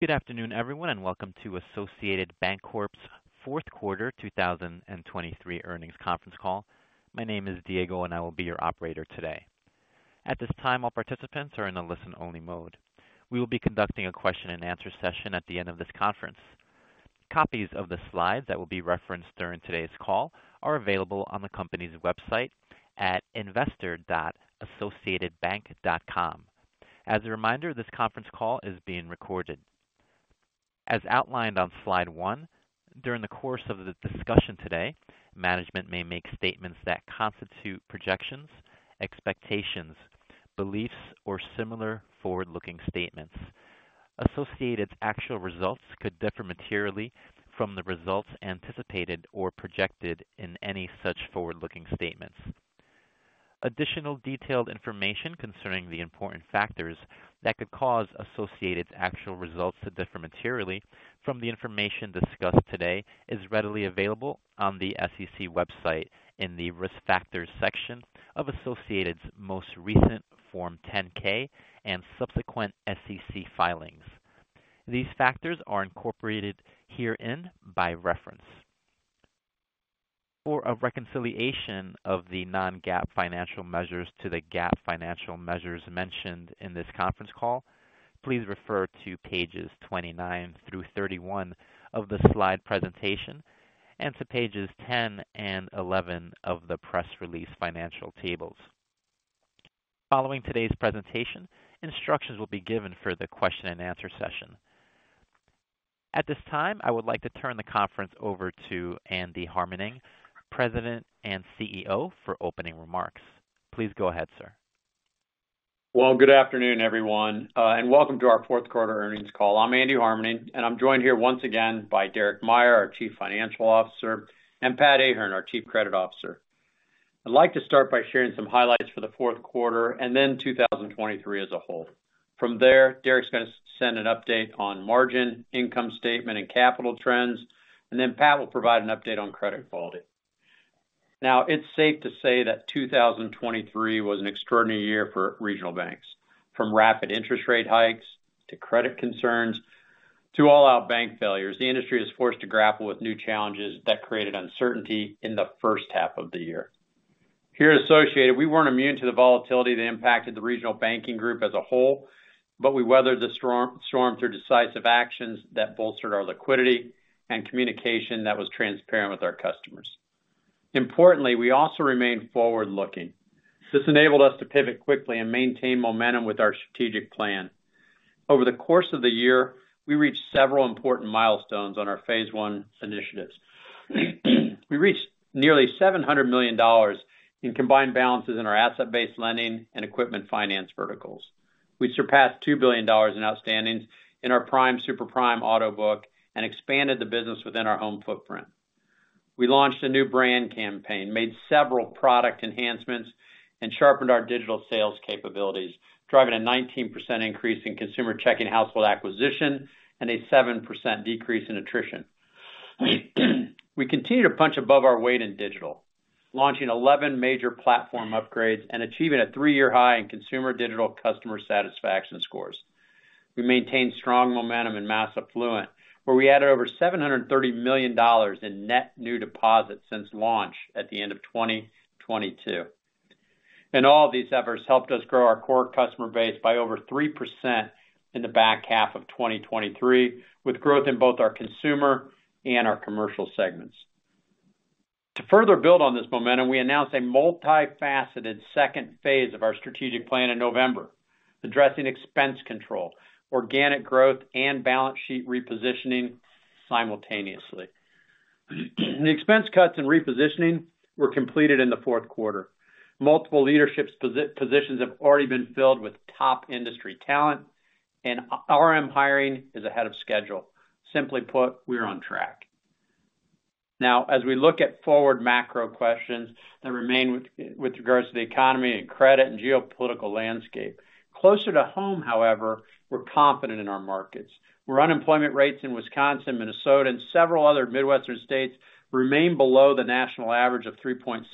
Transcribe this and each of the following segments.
Good afternoon, everyone, and welcome to Associated Banc-Corp's fourth quarter 2023 earnings conference call. My name is Diego, and I will be your operator today. At this time, all participants are in a listen-only mode. We will be conducting a question-and-answer session at the end of this conference. Copies of the slides that will be referenced during today's call are available on the company's website at investor.associatedbank.com. As a reminder, this conference call is being recorded. As outlined on slide one, during the course of the discussion today, management may make statements that constitute projections, expectations, beliefs, or similar forward-looking statements. Associated's actual results could differ materially from the results anticipated or projected in any such forward-looking statements. Additional detailed information concerning the important factors that could cause Associated's actual results to differ materially from the information discussed today is readily available on the SEC website in the Risk Factors section of Associated's most recent Form 10-K and subsequent SEC filings. These factors are incorporated herein by reference. For a reconciliation of the non-GAAP financial measures to the GAAP financial measures mentioned in this conference call, please refer to pages 29-31 of the slide presentation and to pages 10 and 11 of the press release financial tables. Following today's presentation, instructions will be given for the question-and-answer session. At this time, I would like to turn the conference over to Andy Harmening, President and CEO, for opening remarks. Please go ahead, sir. Well, good afternoon, everyone, and welcome to our fourth quarter earnings call. I'm Andy Harmening, and I'm joined here once again by Derek Meyer, our Chief Financial Officer, and Pat Ahern, our Chief Credit Officer. I'd like to start by sharing some highlights for the fourth quarter and then 2023 as a whole. From there, Derek's going to send an update on margin, income statement and capital trends, and then Pat will provide an update on credit quality. Now, it's safe to say that 2023 was an extraordinary year for regional banks. From rapid interest rate hikes to credit concerns to all-out bank failures, the industry is forced to grapple with new challenges that created uncertainty in the first half of the year. Here at Associated, we weren't immune to the volatility that impacted the regional banking group as a whole, but we weathered the storm through decisive actions that bolstered our liquidity and communication that was transparent with our customers. Importantly, we also remained forward-looking. This enabled us to pivot quickly and maintain momentum with our strategic plan. Over the course of the year, we reached several important milestones on our phase one initiatives. We reached nearly $700 million in combined balances in our asset-based lending and equipment finance verticals. We surpassed $2 billion in outstandings in our prime/super prime auto book and expanded the business within our home footprint. We launched a new brand campaign, made several product enhancements, and sharpened our digital sales capabilities, driving a 19% increase in consumer checking household acquisition and a 7% decrease in attrition. We continued to punch above our weight in digital, launching 11 major platform upgrades and achieving a 3-year high in consumer digital customer satisfaction scores. We maintained strong momentum in mass affluent, where we added over $730 million in net new deposits since launch at the end of 2022. All of these efforts helped us grow our core customer base by over 3% in the back half of 2023, with growth in both our consumer and our commercial segments. To further build on this momentum, we announced a multifaceted second phase of our strategic plan in November, addressing expense control, organic growth, and balance sheet repositioning simultaneously. The expense cuts and repositioning were completed in the fourth quarter. Multiple leadership positions have already been filled with top industry talent, and our RM hiring is ahead of schedule. Simply put, we're on track. Now, as we look at forward macro questions that remain with, with regards to the economy and credit and geopolitical landscape, closer to home, however, we're confident in our markets, where unemployment rates in Wisconsin, Minnesota, and several other Midwestern states remain below the national average of 3.7%.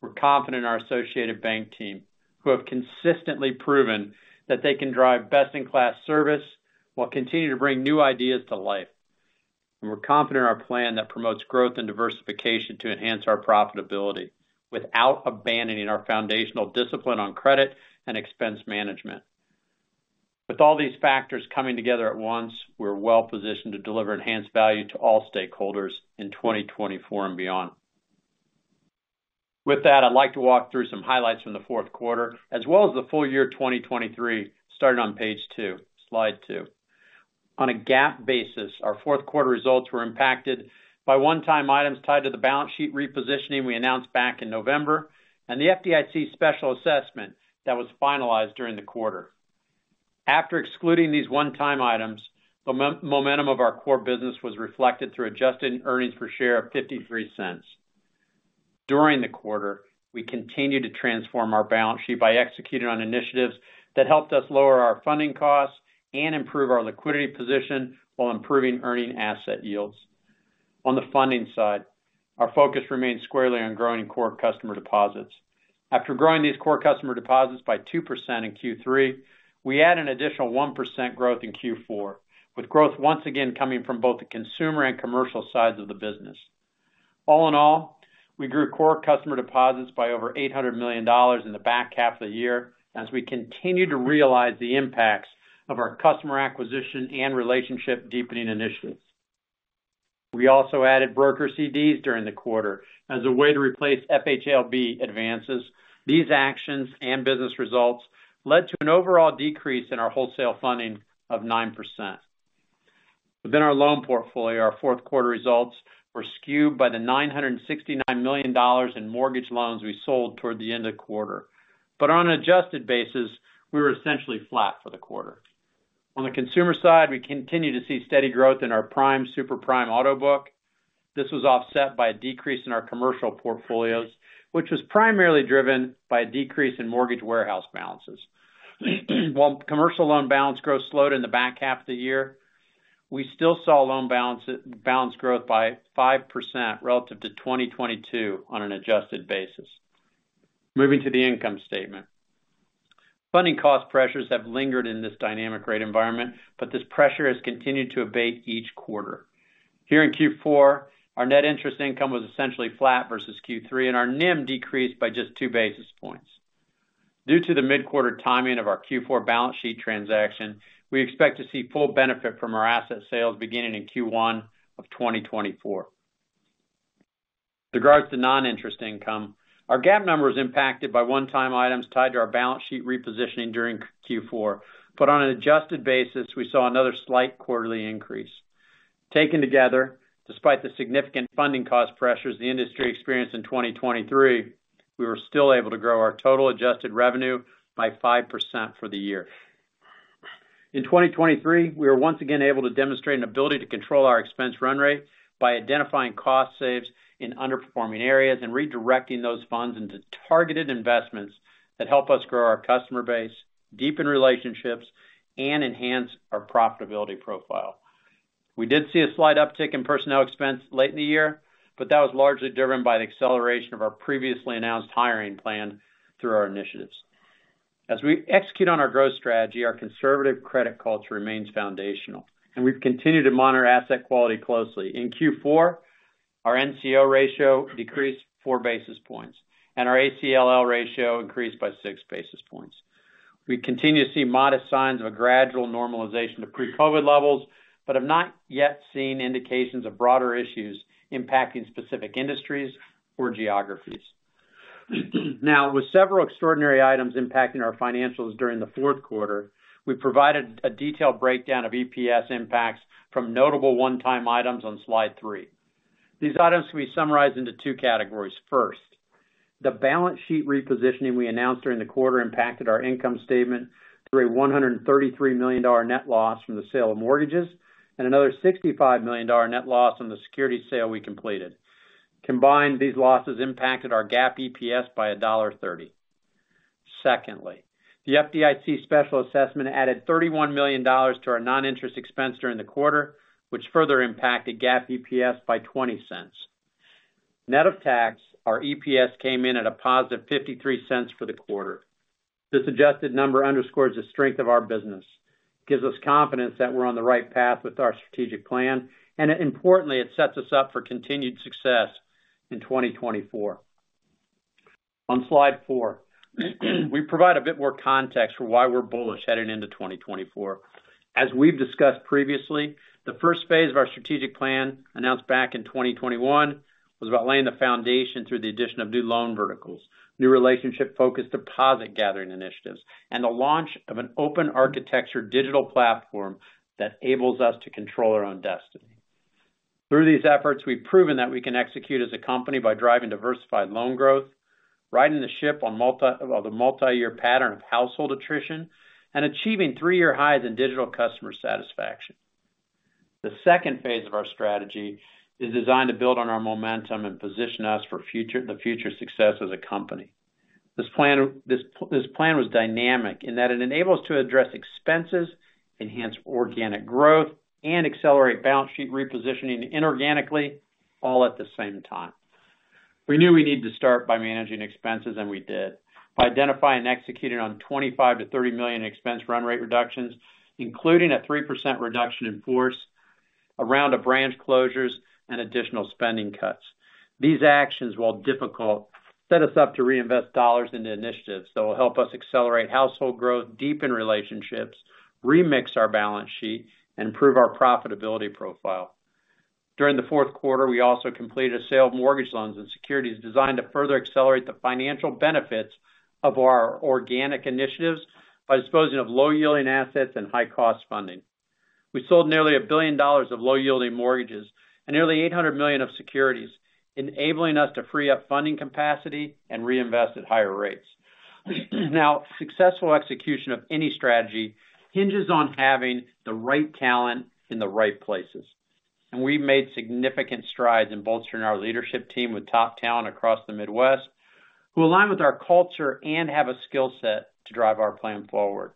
We're confident in our Associated Bank team, who have consistently proven that they can drive best-in-class service while continuing to bring new ideas to life. And we're confident in our plan that promotes growth and diversification to enhance our profitability without abandoning our foundational discipline on credit and expense management. With all these factors coming together at once, we're well-positioned to deliver enhanced value to all stakeholders in 2024 and beyond. With that, I'd like to walk through some highlights from the fourth quarter as well as the full year 2023, starting on page 2, slide 2. On a GAAP basis, our fourth quarter results were impacted by one-time items tied to the balance sheet repositioning we announced back in November, and the FDIC special assessment that was finalized during the quarter. After excluding these one-time items, the momentum of our core business was reflected through adjusted earnings per share of $0.53. During the quarter, we continued to transform our balance sheet by executing on initiatives that helped us lower our funding costs and improve our liquidity position while improving earning asset yields.... On the funding side, our focus remains squarely on growing core customer deposits. After growing these core customer deposits by 2% in Q3, we add an additional 1% growth in Q4, with growth once again coming from both the consumer and commercial sides of the business. All in all, we grew core customer deposits by over $800 million in the back half of the year as we continue to realize the impacts of our customer acquisition and relationship deepening initiatives. We also added broker CDs during the quarter as a way to replace FHLB advances. These actions and business results led to an overall decrease in our wholesale funding of 9%. Within our loan portfolio, our fourth quarter results were skewed by the $969 million in mortgage loans we sold toward the end of the quarter. But on an adjusted basis, we were essentially flat for the quarter. On the consumer side, we continue to see steady growth in our prime, super prime auto book. This was offset by a decrease in our commercial portfolios, which was primarily driven by a decrease in mortgage warehouse balances. While commercial loan balance growth slowed in the back half of the year, we still saw loan balance growth by 5% relative to 2022 on an adjusted basis. Moving to the income statement. Funding cost pressures have lingered in this dynamic rate environment, but this pressure has continued to abate each quarter. Here in Q4, our net interest income was essentially flat versus Q3, and our NIM decreased by just two basis points. Due to the mid-quarter timing of our Q4 balance sheet transaction, we expect to see full benefit from our asset sales beginning in Q1 of 2024. Regarding non-interest income, our GAAP number is impacted by one-time items tied to our balance sheet repositioning during Q4, but on an adjusted basis, we saw another slight quarterly increase. Taken together, despite the significant funding cost pressures the industry experienced in 2023, we were still able to grow our total adjusted revenue by 5% for the year. In 2023, we were once again able to demonstrate an ability to control our expense run rate by identifying cost saves in underperforming areas and redirecting those funds into targeted investments that help us grow our customer base, deepen relationships, and enhance our profitability profile. We did see a slight uptick in personnel expense late in the year, but that was largely driven by the acceleration of our previously announced hiring plan through our initiatives. As we execute on our growth strategy, our conservative credit culture remains foundational, and we've continued to monitor asset quality closely. In Q4, our NCO ratio decreased 4 basis points, and our ACLL ratio increased by 6 basis points. We continue to see modest signs of a gradual normalization of pre-COVID levels, but have not yet seen indications of broader issues impacting specific industries or geographies. Now, with several extraordinary items impacting our financials during the fourth quarter, we provided a detailed breakdown of EPS impacts from notable one-time items on slide 3. These items can be summarized into two categories. First, the balance sheet repositioning we announced during the quarter impacted our income statement through a $133 million net loss from the sale of mortgages and another $65 million net loss on the security sale we completed. Combined, these losses impacted our GAAP EPS by $1.30. Secondly, the FDIC special assessment added $31 million to our non-interest expense during the quarter, which further impacted GAAP EPS by $0.20. Net of tax, our EPS came in at a positive $0.53 for the quarter. This adjusted number underscores the strength of our business, gives us confidence that we're on the right path with our strategic plan, and importantly, it sets us up for continued success in 2024. On slide 4, we provide a bit more context for why we're bullish heading into 2024. As we've discussed previously, the first phase of our strategic plan, announced back in 2021, was about laying the foundation through the addition of new loan verticals, new relationship-focused deposit gathering initiatives, and the launch of an open architecture digital platform that enables us to control our own destiny. Through these efforts, we've proven that we can execute as a company by driving diversified loan growth, righting the ship on a multi-year pattern of household attrition, and achieving three-year highs in digital customer satisfaction. The second phase of our strategy is designed to build on our momentum and position us for the future success as a company. This plan was dynamic in that it enables us to address expenses, enhance organic growth, and accelerate balance sheet repositioning inorganically, all at the same time. We knew we needed to start by managing expenses, and we did, by identifying and executing on $25 million-$30 million expense run rate reductions, including a 3% reduction in force, around a branch closures and additional spending cuts. These actions, while difficult, set us up to reinvest dollars into initiatives that will help us accelerate household growth, deepen relationships, remix our balance sheet, and improve our profitability profile. During the fourth quarter, we also completed a sale of mortgage loans and securities designed to further accelerate the financial benefits of our organic initiatives by disposing of low-yielding assets and high-cost funding. We sold nearly $1 billion of low-yielding mortgages and nearly $800 million of securities, enabling us to free up funding capacity and reinvest at higher rates. Now, successful execution of any strategy hinges on having the right talent in the right places, and we've made significant strides in bolstering our leadership team with top talent across the Midwest, who align with our culture and have a skill set to drive our plan forward.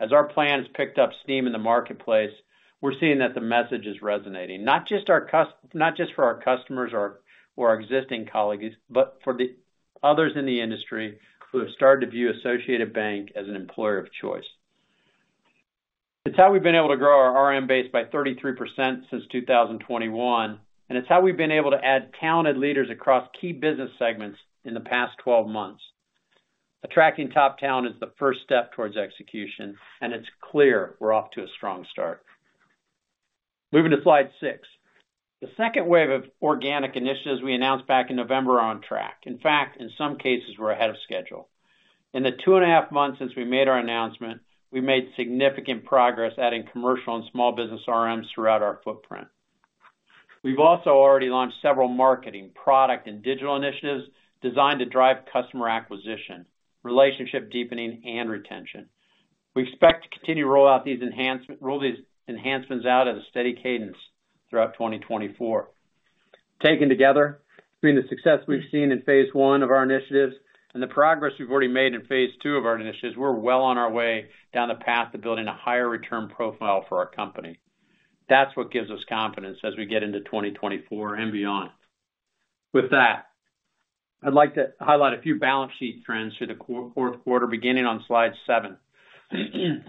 As our plan has picked up steam in the marketplace, we're seeing that the message is resonating, not just for our customers or our existing colleagues, but for the others in the industry who have started to view Associated Bank as an employer of choice. It's how we've been able to grow our RM base by 33% since 2021, and it's how we've been able to add talented leaders across key business segments in the past twelve months. Attracting top talent is the first step towards execution, and it's clear we're off to a strong start. Moving to slide 6. The second wave of organic initiatives we announced back in November are on track. In fact, in some cases, we're ahead of schedule. In the 2.5 months since we made our announcement, we made significant progress adding commercial and small business RMs throughout our footprint. We've also already launched several marketing, product, and digital initiatives designed to drive customer acquisition, relationship deepening, and retention. We expect to continue to roll out these enhancements out at a steady cadence throughout 2024. Taken together, between the success we've seen in phase one of our initiatives and the progress we've already made in phase two of our initiatives, we're well on our way down the path to building a higher return profile for our company. That's what gives us confidence as we get into 2024 and beyond. With that, I'd like to highlight a few balance sheet trends through the fourth quarter, beginning on slide 7.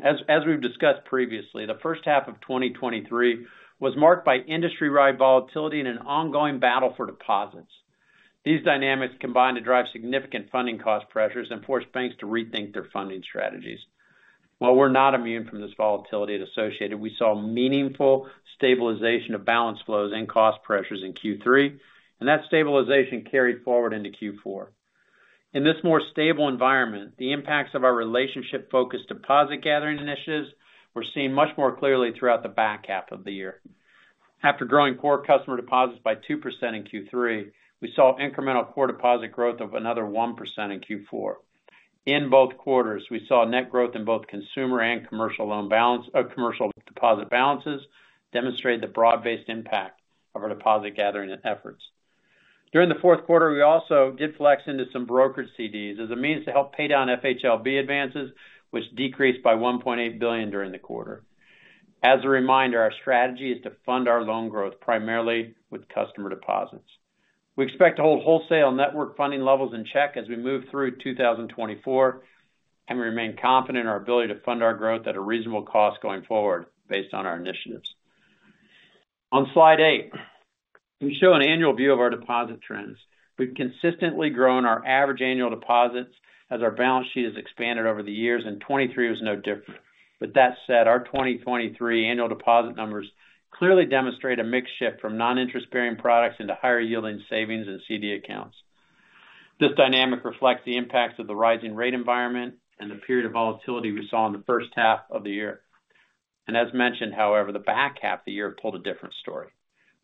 As we've discussed previously, the first half of 2023 was marked by industry-wide volatility and an ongoing battle for deposits. These dynamics combined to drive significant funding cost pressures and forced banks to rethink their funding strategies. While we're not immune from this volatility at Associated, we saw meaningful stabilization of balance flows and cost pressures in Q3, and that stabilization carried forward into Q4. In this more stable environment, the impacts of our relationship-focused deposit gathering initiatives were seen much more clearly throughout the back half of the year. After growing core customer deposits by 2% in Q3, we saw incremental core deposit growth of another 1% in Q4. In both quarters, we saw net growth in both consumer and commercial loan balance..., commercial deposit balances, demonstrating the broad-based impact of our deposit gathering efforts. During the fourth quarter, we also did flex into some brokerage CDs as a means to help pay down FHLB advances, which decreased by $1.8 billion during the quarter. As a reminder, our strategy is to fund our loan growth primarily with customer deposits. We expect to hold wholesale network funding levels in check as we move through 2024, and we remain confident in our ability to fund our growth at a reasonable cost going forward based on our initiatives. On slide 8, we show an annual view of our deposit trends. We've consistently grown our average annual deposits as our balance sheet has expanded over the years, and 2023 was no different. With that said, our 2023 annual deposit numbers clearly demonstrate a mix shift from non-interest-bearing products into higher-yielding savings and CD accounts. This dynamic reflects the impacts of the rising rate environment and the period of volatility we saw in the first half of the year. And as mentioned, however, the back half of the year told a different story.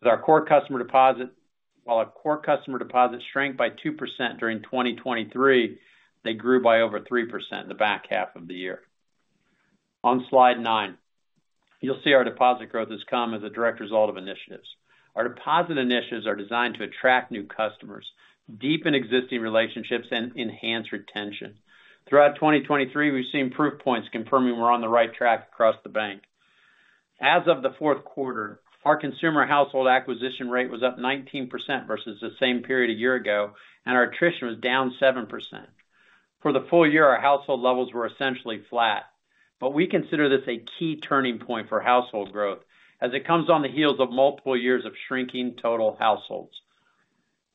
With our core customer deposit, while our core customer deposits shrank by 2% during 2023, they grew by over 3% in the back half of the year. On slide 9, you'll see our deposit growth has come as a direct result of initiatives. Our deposit initiatives are designed to attract new customers, deepen existing relationships, and enhance retention. Throughout 2023, we've seen proof points confirming we're on the right track across the bank. As of the fourth quarter, our consumer household acquisition rate was up 19% versus the same period a year ago, and our attrition was down 7%. For the full year, our household levels were essentially flat, but we consider this a key turning point for household growth as it comes on the heels of multiple years of shrinking total households.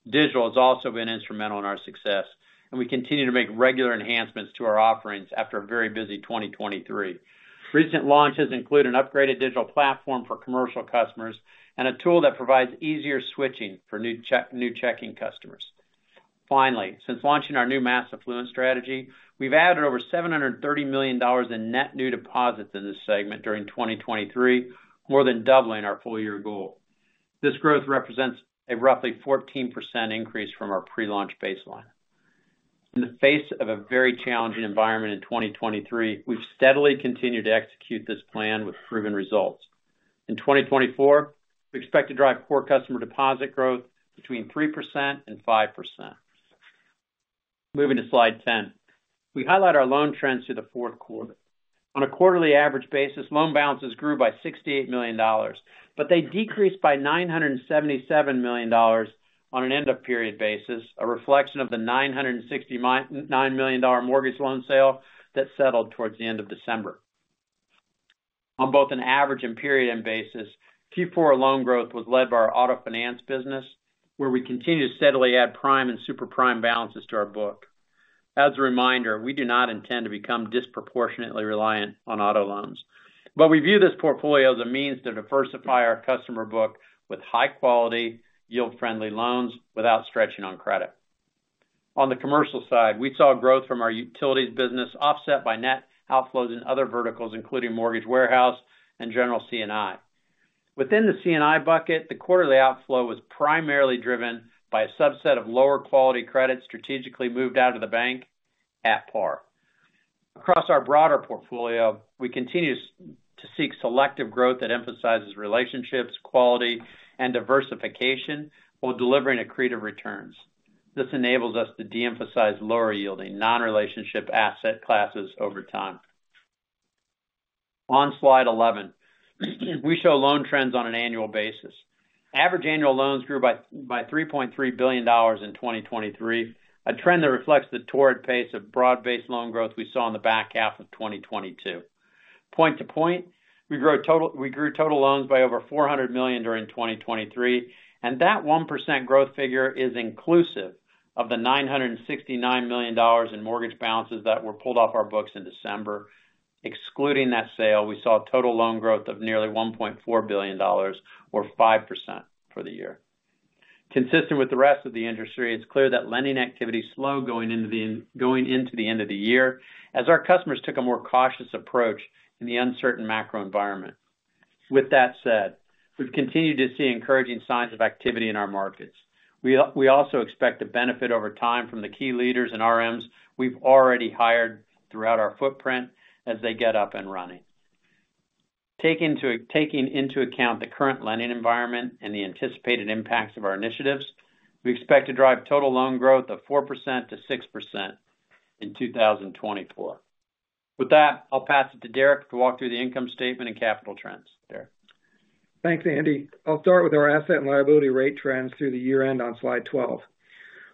Digital has also been instrumental in our success, and we continue to make regular enhancements to our offerings after a very busy 2023. Recent launches include an upgraded digital platform for commercial customers and a tool that provides easier switching for new checking customers. Finally, since launching our new mass affluent strategy, we've added over $730 million in net new deposits in this segment during 2023, more than doubling our full-year goal. This growth represents a roughly 14% increase from our pre-launch baseline. In the face of a very challenging environment in 2023, we've steadily continued to execute this plan with proven results. In 2024, we expect to drive core customer deposit growth between 3% and 5%. Moving to slide 10. We highlight our loan trends through the fourth quarter. On a quarterly average basis, loan balances grew by $68 million, but they decreased by $977 million on an end-of-period basis, a reflection of the $969 million mortgage loan sale that settled towards the end of December. On both an average and period end basis, Q4 loan growth was led by our auto finance business, where we continue to steadily add prime and super prime balances to our book. As a reminder, we do not intend to become disproportionately reliant on auto loans, but we view this portfolio as a means to diversify our customer book with high-quality, yield-friendly loans without stretching on credit. On the commercial side, we saw growth from our utilities business offset by net outflows and other verticals, including mortgage warehouse and general C&I. Within the C&I bucket, the quarterly outflow was primarily driven by a subset of lower quality credit strategically moved out of the bank at par. Across our broader portfolio, we continue to seek selective growth that emphasizes relationships, quality, and diversification while delivering accretive returns. This enables us to de-emphasize lower-yielding, non-relationship asset classes over time. On slide 11, we show loan trends on an annual basis. Average annual loans grew by $3.3 billion in 2023, a trend that reflects the torrid pace of broad-based loan growth we saw in the back half of 2022. Point-to-point, we grew total loans by over $400 million during 2023, and that 1% growth figure is inclusive of the $969 million in mortgage balances that were pulled off our books in December. Excluding that sale, we saw total loan growth of nearly $1.4 billion or 5% for the year. Consistent with the rest of the industry, it's clear that lending activity slowed going into the, going into the end of the year, as our customers took a more cautious approach in the uncertain macro environment. With that said, we've continued to see encouraging signs of activity in our markets. We also expect to benefit over time from the key leaders and RMs we've already hired throughout our footprint as they get up and running. Taking into account the current lending environment and the anticipated impacts of our initiatives, we expect to drive total loan growth of 4%-6% in 2024. With that, I'll pass it to Derek to walk through the income statement and capital trends. Derek? Thanks, Andy. I'll start with our asset and liability rate trends through the year-end on slide 12.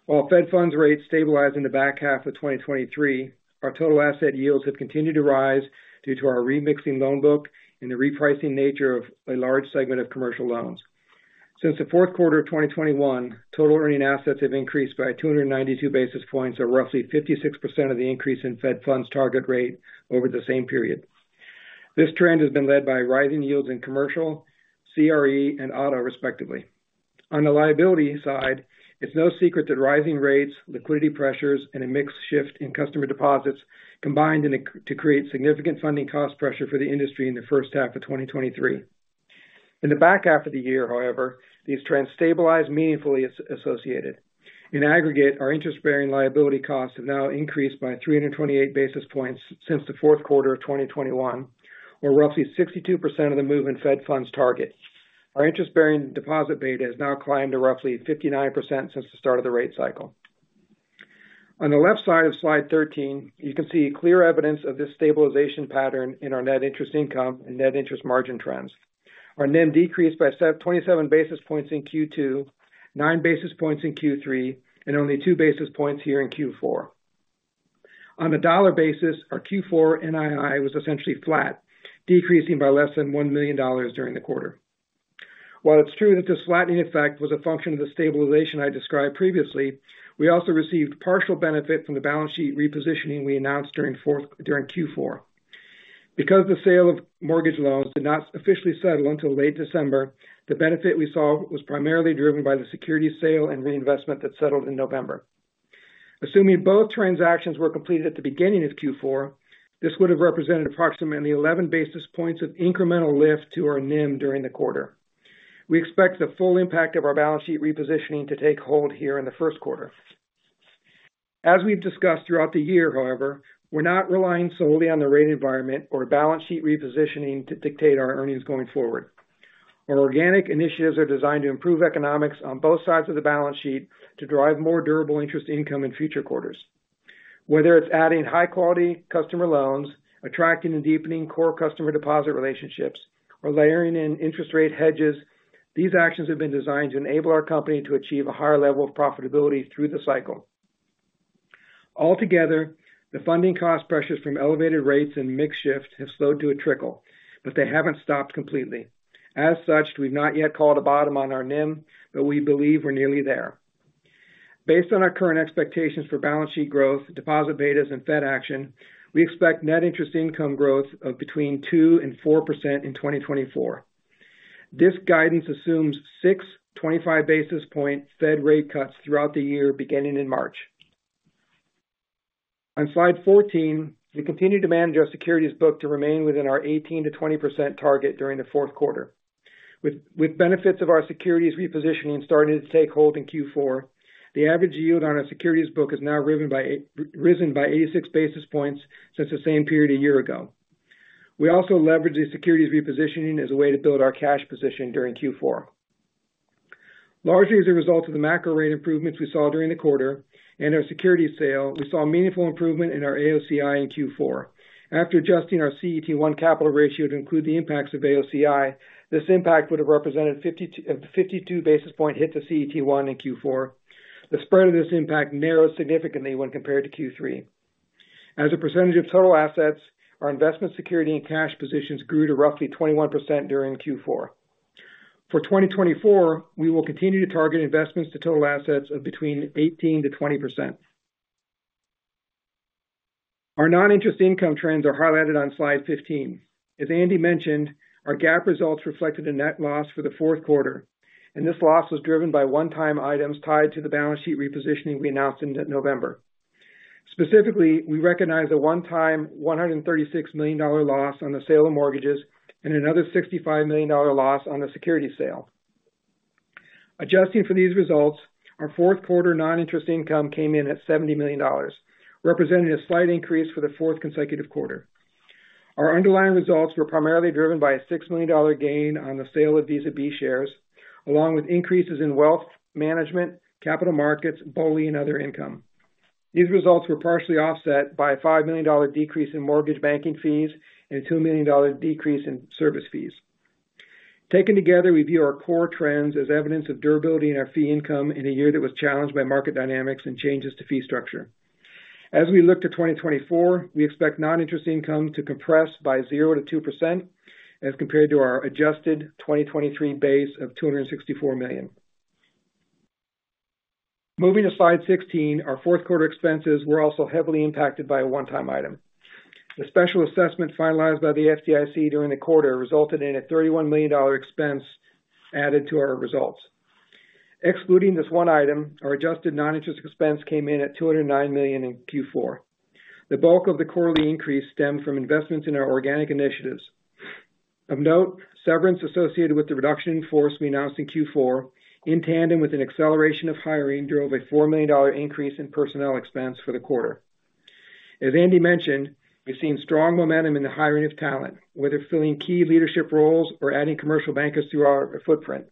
While Fed funds rates stabilized in the back half of 2023, our total asset yields have continued to rise due to our remixing loan book and the repricing nature of a large segment of commercial loans. Since the fourth quarter of 2021, total earning assets have increased by 292 basis points, or roughly 56% of the increase in Fed funds target rate over the same period. This trend has been led by rising yields in commercial, CRE, and auto, respectively. On the liability side, it's no secret that rising rates, liquidity pressures, and a mixed shift in customer deposits combined to create significant funding cost pressure for the industry in the first half of 2023. In the back half of the year, however, these trends stabilized meaningfully associated. In aggregate, our interest-bearing liability costs have now increased by 328 basis points since the fourth quarter of 2021, or roughly 62% of the move in Fed funds target. Our interest-bearing deposit beta has now climbed to roughly 59% since the start of the rate cycle. On the left side of slide 13, you can see clear evidence of this stabilization pattern in our net interest income and net interest margin trends. Our NIM decreased by 27 basis points in Q2, 9 basis points in Q3, and only 2 basis points here in Q4. On a dollar basis, our Q4 NII was essentially flat, decreasing by less than $1 million during the quarter. While it's true that this flattening effect was a function of the stabilization I described previously, we also received partial benefit from the balance sheet repositioning we announced during Q4. Because the sale of mortgage loans did not officially settle until late December, the benefit we saw was primarily driven by the securities sale and reinvestment that settled in November. Assuming both transactions were completed at the beginning of Q4, this would have represented approximately 11 basis points of incremental lift to our NIM during the quarter. We expect the full impact of our balance sheet repositioning to take hold here in the first quarter. As we've discussed throughout the year, however, we're not relying solely on the rate environment or balance sheet repositioning to dictate our earnings going forward. Our organic initiatives are designed to improve economics on both sides of the balance sheet to drive more durable interest income in future quarters. Whether it's adding high-quality customer loans, attracting and deepening core customer deposit relationships, or layering in interest rate hedges, these actions have been designed to enable our company to achieve a higher level of profitability through the cycle. Altogether, the funding cost pressures from elevated rates and mix shifts have slowed to a trickle, but they haven't stopped completely. As such, we've not yet called a bottom on our NIM, but we believe we're nearly there. Based on our current expectations for balance sheet growth, deposit betas, and Fed action, we expect net interest income growth of between 2% and 4% in 2024. This guidance assumes six 25 basis point Fed rate cuts throughout the year, beginning in March. On slide 14, we continued to manage our securities book to remain within our 18%-20% target during the fourth quarter. With benefits of our securities repositioning starting to take hold in Q4, the average yield on our securities book has now risen by 86 basis points since the same period a year ago. We also leveraged the securities repositioning as a way to build our cash position during Q4. Largely as a result of the macro rate improvements we saw during the quarter and our securities sale, we saw a meaningful improvement in our AOCI in Q4. After adjusting our CET1 capital ratio to include the impacts of AOCI, this impact would have represented 52 basis point hit to CET1 in Q4. The spread of this impact narrowed significantly when compared to Q3. As a percentage of total assets, our investment security and cash positions grew to roughly 21% during Q4. For 2024, we will continue to target investments to total assets of between 18%-20%. Our non-interest income trends are highlighted on slide 15. As Andy mentioned, our GAAP results reflected a net loss for the fourth quarter, and this loss was driven by one-time items tied to the balance sheet repositioning we announced in November. Specifically, we recognized a one-time $136 million loss on the sale of mortgages and another $65 million loss on the securities sale. Adjusting for these results, our fourth quarter non-interest income came in at $70 million, representing a slight increase for the fourth consecutive quarter. Our underlying results were primarily driven by a $6 million gain on the sale of Visa B shares, along with increases in wealth management, capital markets, BOLI, and other income. These results were partially offset by a $5 million decrease in mortgage banking fees and a $2 million decrease in service fees. Taken together, we view our core trends as evidence of durability in our fee income in a year that was challenged by market dynamics and changes to fee structure. As we look to 2024, we expect non-interest income to compress by 0%-2% as compared to our adjusted 2023 base of $264 million. Moving to slide 16, our fourth quarter expenses were also heavily impacted by a one-time item. The special assessment finalized by the FDIC during the quarter resulted in a $31 million expense added to our results. Excluding this one item, our adjusted non-interest expense came in at $209 million in Q4. The bulk of the quarterly increase stemmed from investments in our organic initiatives. Of note, severance associated with the reduction in force we announced in Q4, in tandem with an acceleration of hiring, drove a $4 million increase in personnel expense for the quarter. As Andy mentioned, we've seen strong momentum in the hiring of talent, whether filling key leadership roles or adding commercial bankers through our footprint.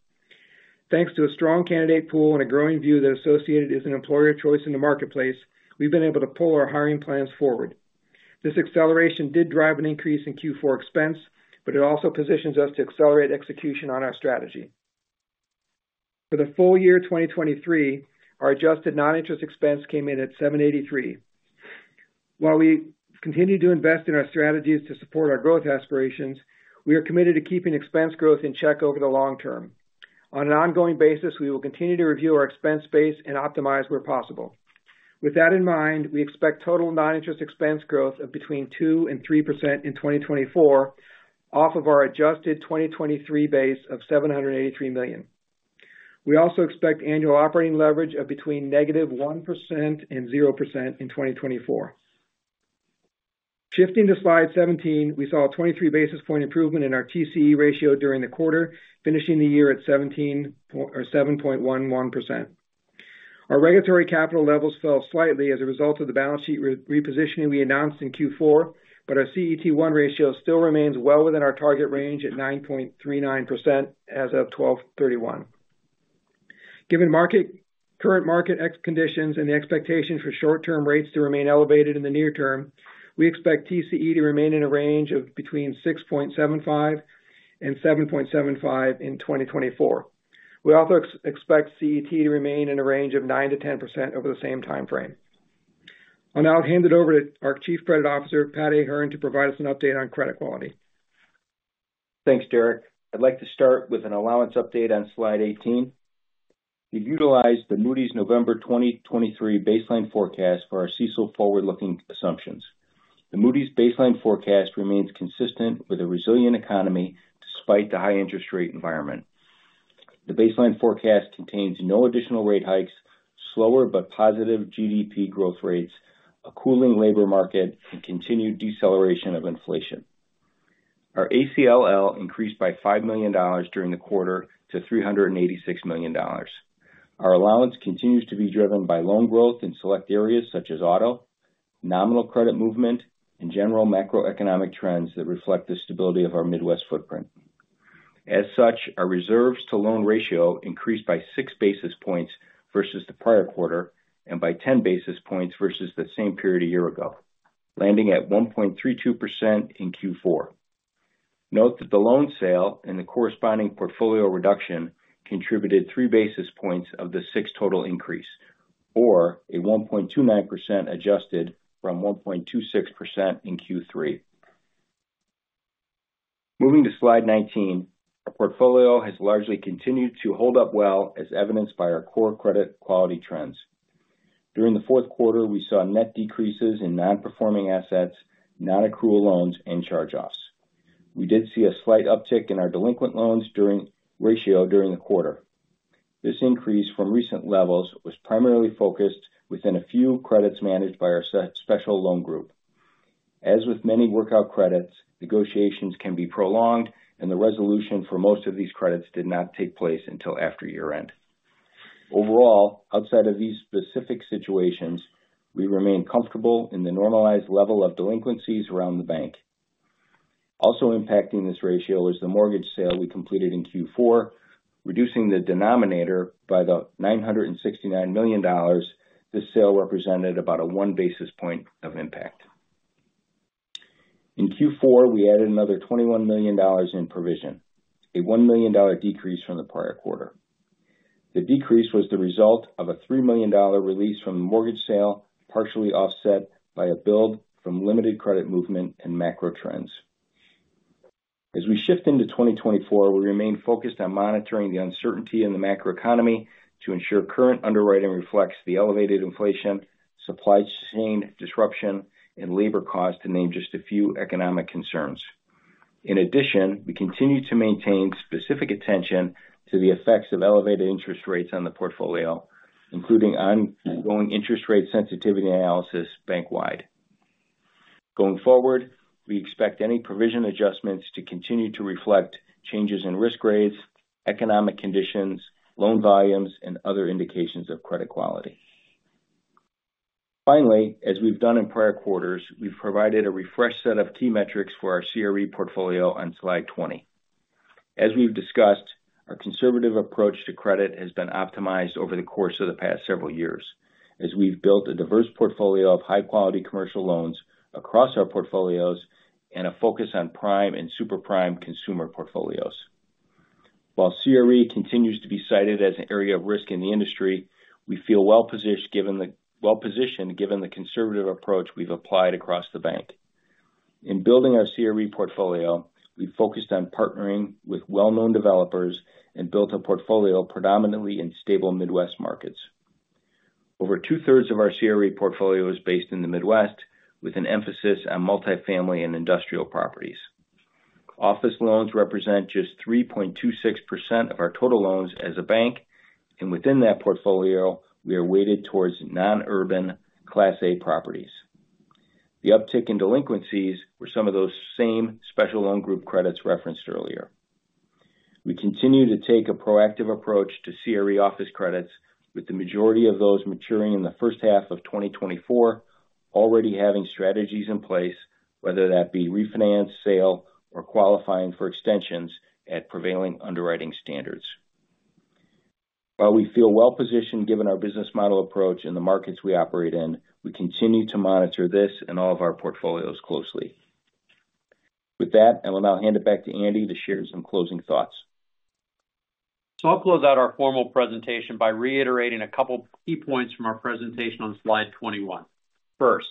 Thanks to a strong candidate pool and a growing view that Associated is an employer of choice in the marketplace, we've been able to pull our hiring plans forward. This acceleration did drive an increase in Q4 expense, but it also positions us to accelerate execution on our strategy. For the full year 2023, our adjusted non-interest expense came in at $783 million. While we continue to invest in our strategies to support our growth aspirations, we are committed to keeping expense growth in check over the long term. On an ongoing basis, we will continue to review our expense base and optimize where possible. With that in mind, we expect total non-interest expense growth of between 2% and 3% in 2024, off of our adjusted 2023 base of $783 million. We also expect annual operating leverage of between -1% and 0% in 2024. Shifting to slide 17, we saw a 23 basis points improvement in our TCE ratio during the quarter, finishing the year at 7.11%. Our regulatory capital levels fell slightly as a result of the balance sheet repositioning we announced in Q4, but our CET1 ratio still remains well within our target range at 9.39% as of 12/31. Given current market conditions and the expectation for short-term rates to remain elevated in the near term, we expect TCE to remain in a range of between 6.75% and 7.75% in 2024. We also expect CET to remain in a range of 9%-10% over the same time frame. I'll now hand it over to our Chief Credit Officer, Pat Ahern, to provide us an update on credit quality. Thanks, Derek. I'd like to start with an allowance update on slide 18. We've utilized the Moody's November 2023 baseline forecast for our CECL forward-looking assumptions. The Moody's baseline forecast remains consistent with a resilient economy despite the high interest rate environment. The baseline forecast contains no additional rate hikes, slower but positive GDP growth rates, a cooling labor market, and continued deceleration of inflation. Our ACLL increased by $5 million during the quarter to $386 million. Our allowance continues to be driven by loan growth in select areas such as auto, nominal credit movement, and general macroeconomic trends that reflect the stability of our Midwest footprint. As such, our reserves to loan ratio increased by 6 basis points versus the prior quarter and by 10 basis points versus the same period a year ago, landing at 1.32% in Q4. Note that the loan sale and the corresponding portfolio reduction contributed 3 basis points of the 6 total increase, or a 1.29% adjusted from 1.26% in Q3. Moving to slide 19. Our portfolio has largely continued to hold up well, as evidenced by our core credit quality trends. During the fourth quarter, we saw net decreases in non-performing assets, non-accrual loans, and charge-offs. We did see a slight uptick in our delinquent loans ratio during the quarter. This increase from recent levels was primarily focused within a few credits managed by our special loan group. As with many workout credits, negotiations can be prolonged, and the resolution for most of these credits did not take place until after year-end. Overall, outside of these specific situations, we remain comfortable in the normalized level of delinquencies around the bank. Also impacting this ratio is the mortgage sale we completed in Q4, reducing the denominator by $969 million. This sale represented about a one basis point of impact. In Q4, we added another $21 million in provision, a $1 million decrease from the prior quarter. The decrease was the result of a $3 million release from the mortgage sale, partially offset by a build from limited credit movement and macro trends. As we shift into 2024, we remain focused on monitoring the uncertainty in the macroeconomy to ensure current underwriting reflects the elevated inflation, supply chain disruption, and labor costs, to name just a few economic concerns. In addition, we continue to maintain specific attention to the effects of elevated interest rates on the portfolio, including ongoing interest rate sensitivity analysis bank-wide. Going forward, we expect any provision adjustments to continue to reflect changes in risk grades, economic conditions, loan volumes, and other indications of credit quality. Finally, as we've done in prior quarters, we've provided a refreshed set of key metrics for our CRE portfolio on slide 20. As we've discussed, our conservative approach to credit has been optimized over the course of the past several years as we've built a diverse portfolio of high-quality commercial loans across our portfolios and a focus on prime and super prime consumer portfolios. While CRE continues to be cited as an area of risk in the industry, we feel well-positioned, given the well-positioned, given the conservative approach we've applied across the bank. In building our CRE portfolio, we focused on partnering with well-known developers and built a portfolio predominantly in stable Midwest markets. Over two-thirds of our CRE portfolio is based in the Midwest, with an emphasis on multifamily and industrial properties. Office loans represent just 3.26% of our total loans as a bank, and within that portfolio, we are weighted towards non-urban Class A properties. The uptick in delinquencies were some of those same special loan group credits referenced earlier. We continue to take a proactive approach to CRE office credits, with the majority of those maturing in the first half of 2024, already having strategies in place, whether that be refinance, sale, or qualifying for extensions at prevailing underwriting standards. While we feel well-positioned, given our business model approach and the markets we operate in, we continue to monitor this and all of our portfolios closely. With that, I will now hand it back to Andy to share some closing thoughts. So I'll close out our formal presentation by reiterating a couple key points from our presentation on slide 21. First,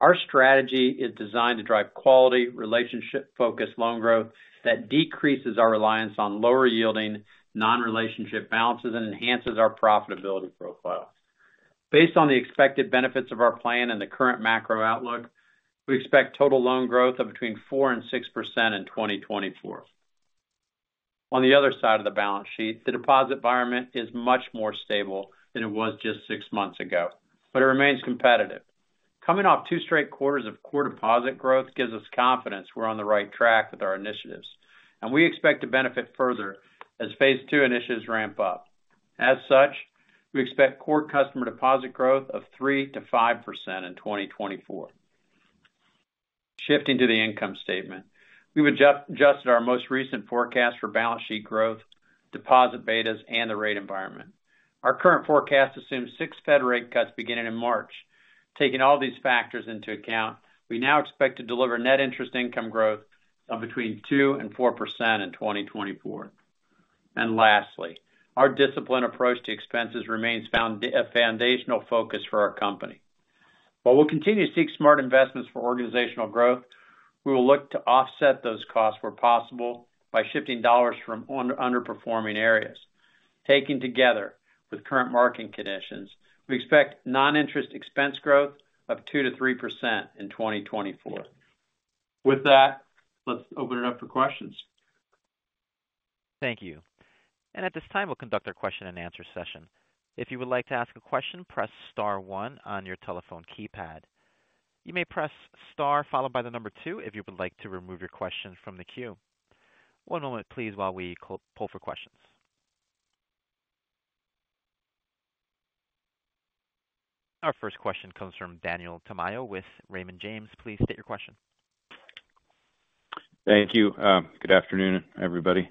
our strategy is designed to drive quality, relationship-focused loan growth that decreases our reliance on lower-yielding, non-relationship balances and enhances our profitability profile. Based on the expected benefits of our plan and the current macro outlook, we expect total loan growth of between 4% and 6% in 2024. On the other side of the balance sheet, the deposit environment is much more stable than it was just six months ago, but it remains competitive. Coming off two straight quarters of core deposit growth gives us confidence we're on the right track with our initiatives, and we expect to benefit further as phase two initiatives ramp up. As such, we expect core customer deposit growth of 3%-5% in 2024. Shifting to the income statement. We've adjusted our most recent forecast for balance sheet growth, deposit betas, and the rate environment. Our current forecast assumes six Fed rate cuts beginning in March. Taking all these factors into account, we now expect to deliver net interest income growth of between 2% and 4% in 2024. Lastly, our disciplined approach to expenses remains a foundational focus for our company. While we'll continue to seek smart investments for organizational growth, we will look to offset those costs where possible by shifting dollars from underperforming areas. Taken together with current market conditions, we expect non-interest expense growth of 2%-3% in 2024. With that, let's open it up for questions. Thank you. At this time, we'll conduct our question and answer session. If you would like to ask a question, press star one on your telephone keypad. You may press star followed by the number two if you would like to remove your question from the queue. One moment, please, while we poll for questions. Our first question comes from Daniel Tamayo with Raymond James. Please state your question. Thank you. Good afternoon, everybody.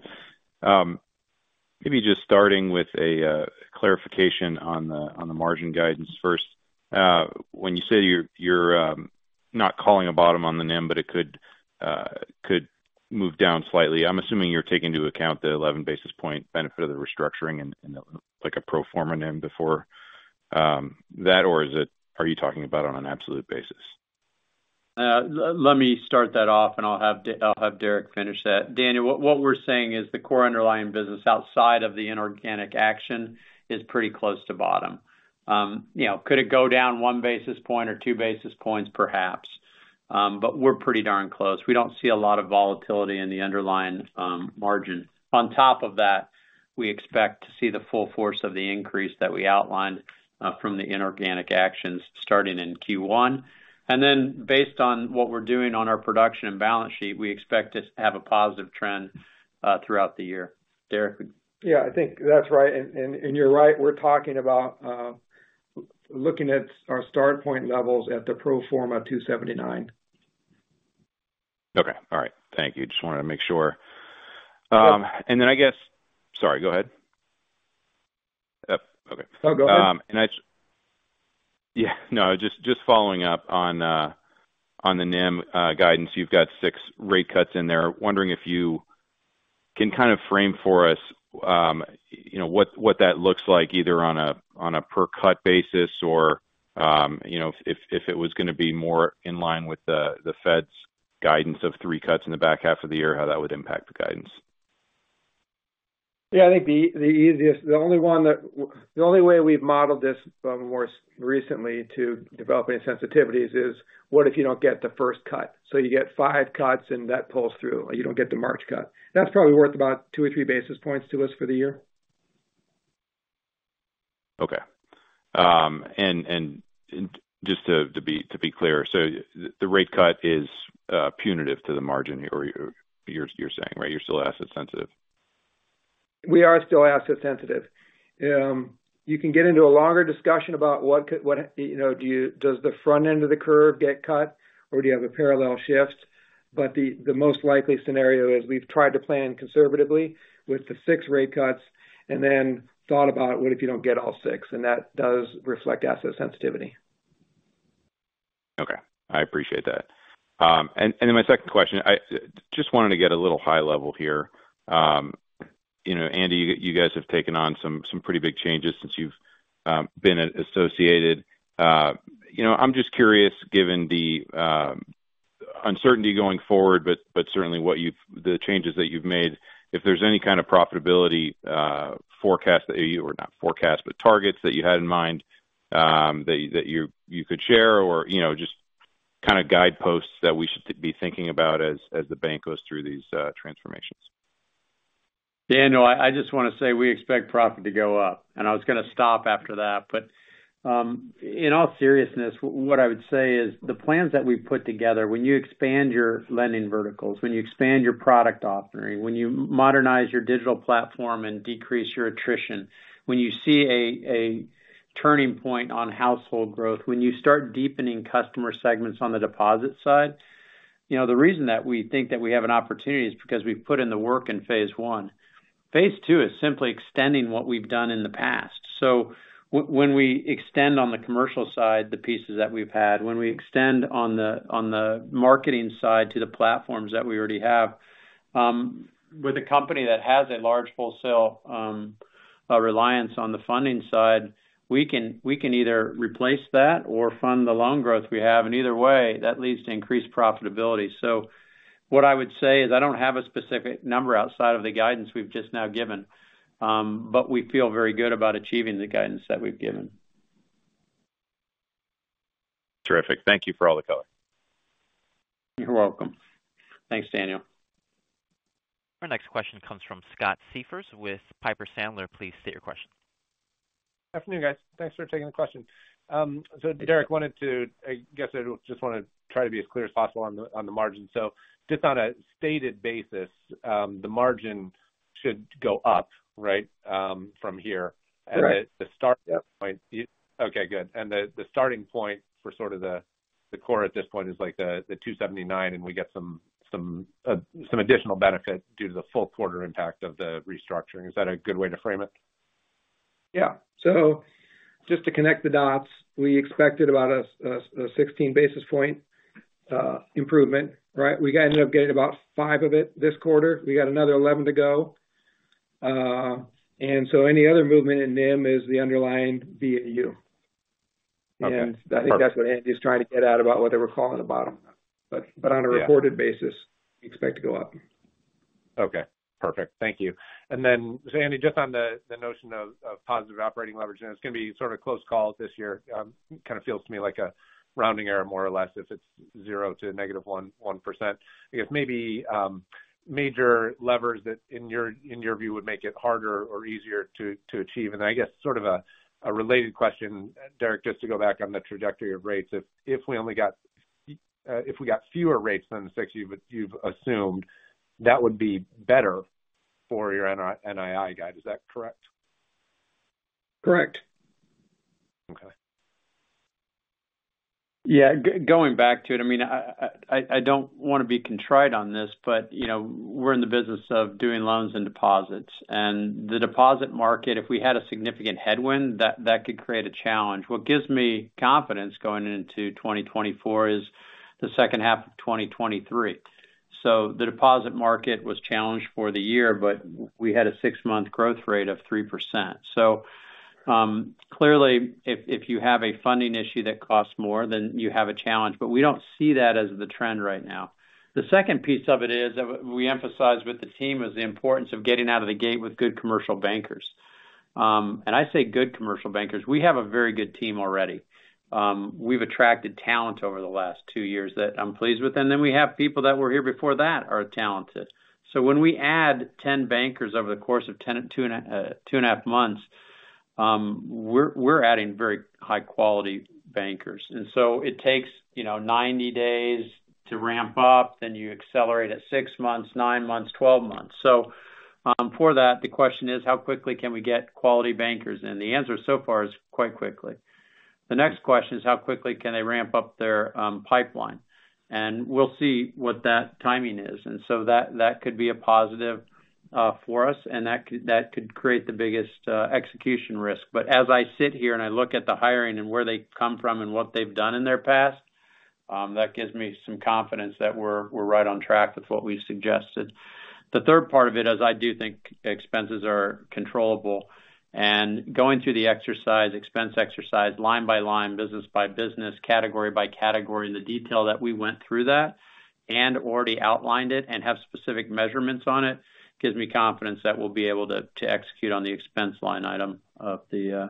Maybe just starting with a clarification on the margin guidance first. When you say you're not calling a bottom on the NIM, but it could move down slightly, I'm assuming you're taking into account the 11 basis point benefit of the restructuring and, like, a pro forma NIM before that or is it... Are you talking about on an absolute basis? Let me start that off, and I'll have Derek finish that. Daniel, what we're saying is the core underlying business outside of the inorganic action is pretty close to bottom. You know, could it go down one basis point or two basis points? Perhaps. But we're pretty darn close. We don't see a lot of volatility in the underlying margin. On top of that, we expect to see the full force of the increase that we outlined from the inorganic actions starting in Q1. And then based on what we're doing on our production and balance sheet, we expect it to have a positive trend throughout the year. Derek? Yeah, I think that's right. And you're right, we're talking about looking at our start point levels at the pro forma 279. Okay. All right. Thank you. Just wanted to make sure. And then I guess... Sorry, go ahead. Okay. No, go ahead. Yeah, no, just following up on the NIM guidance. You've got 6 rate cuts in there. Wondering if you can kind of frame for us, you know, what that looks like, either on a per cut basis or, you know, if it was gonna be more in line with the Fed's guidance of 3 cuts in the back half of the year, how that would impact the guidance? Yeah, I think the easiest, the only way we've modeled this more recently to developing sensitivities is, what if you don't get the first cut? So you get 5 cuts, and that pulls through, you don't get the March cut. That's probably worth about 2 or 3 basis points to us for the year.... Okay. And just to be clear, so the rate cut is punitive to the margin, or you're saying, right? You're still asset sensitive. We are still asset sensitive. You can get into a longer discussion about what could, you know, does the front end of the curve get cut or do you have a parallel shift? But the most likely scenario is we've tried to plan conservatively with the six rate cuts and then thought about what if you don't get all six, and that does reflect asset sensitivity. Okay, I appreciate that. And then my second question, I just wanted to get a little high level here. You know, Andy, you guys have taken on some pretty big changes since you've been associated. You know, I'm just curious, given the uncertainty going forward, but certainly what you've, the changes that you've made, if there's any kind of profitability forecast that you, or not forecast, but targets that you had in mind, that you could share or, you know, just kind of guideposts that we should be thinking about as the bank goes through these transformations. Daniel, I just want to say we expect profit to go up, and I was going to stop after that. But in all seriousness, what I would say is the plans that we've put together, when you expand your lending verticals, when you expand your product offering, when you modernize your digital platform and decrease your attrition, when you see a turning point on household growth, when you start deepening customer segments on the deposit side, you know, the reason that we think that we have an opportunity is because we've put in the work in phase one. Phase two is simply extending what we've done in the past. So when we extend on the commercial side, the pieces that we've had, when we extend on the marketing side to the platforms that we already have, with a company that has a large wholesale reliance on the funding side, we can, we can either replace that or fund the loan growth we have, and either way, that leads to increased profitability. So what I would say is, I don't have a specific number outside of the guidance we've just now given, but we feel very good about achieving the guidance that we've given. Terrific. Thank you for all the color. You're welcome. Thanks, Daniel. Our next question comes from Scott Siefers with Piper Sandler. Please state your question. Good afternoon, guys. Thanks for taking the question. So Derek wanted to-- I guess I just want to try to be as clear as possible on the, on the margin. So just on a stated basis, the margin should go up, right, from here? Right. And the start- Yep. Okay, good. And the starting point for sort of the core at this point is like the $279, and we get some additional benefit due to the full quarter impact of the restructuring. Is that a good way to frame it? Yeah. So just to connect the dots, we expected about a 16 basis point improvement, right? We ended up getting about 5 of it this quarter. We got another 11 to go. And so any other movement in NIM is the underlying VAU. Okay. I think that's what Andy's trying to get at about what they were calling the bottom. But- Yeah. But on a reported basis, we expect to go up. Okay, perfect. Thank you. And then, so Andy, just on the, the notion of, of positive operating leverage, and it's going to be sort of close calls this year. Kind of feels to me like a rounding error, more or less, if it's 0% to -1%. I guess maybe, major levers that in your, in your view, would make it harder or easier to, to achieve. And I guess sort of a, a related question, Derek, just to go back on the trajectory of rates, if, if we only got, if we got fewer rates than the 6 you've, you've assumed, that would be better for your NII guide. Is that correct? Correct. Okay. Yeah, going back to it, I mean, I don't want to be contrite on this, but, you know, we're in the business of doing loans and deposits. The deposit market, if we had a significant headwind, that could create a challenge. What gives me confidence going into 2024 is the second half of 2023. So the deposit market was challenged for the year, but we had a six-month growth rate of 3%. So, clearly, if you have a funding issue that costs more, then you have a challenge. But we don't see that as the trend right now. The second piece of it is, that we emphasize with the team, is the importance of getting out of the gate with good commercial bankers. And I say good commercial bankers. We have a very good team already. We've attracted talent over the last 2 years that I'm pleased with, and then we have people that were here before that are talented. So when we add 10 bankers over the course of two and a half months, we're adding very high-quality bankers. And so it takes, you know, 90 days to ramp up, then you accelerate at 6 months, 9 months, 12 months. So, for that, the question is: How quickly can we get quality bankers in? The answer so far is quite quickly. The next question is: How quickly can they ramp up their pipeline? And we'll see what that timing is, and so that could be a positive for us, and that could create the biggest execution risk. But as I sit here and I look at the hiring and where they come from and what they've done in their past, that gives me some confidence that we're, we're right on track with what we've suggested. The third part of it is, I do think expenses are controllable. And going through the exercise, expense exercise, line by line, business by business, category by category, the detail that we went through that and already outlined it and have specific measurements on it, gives me confidence that we'll be able to, to execute on the expense line item of the,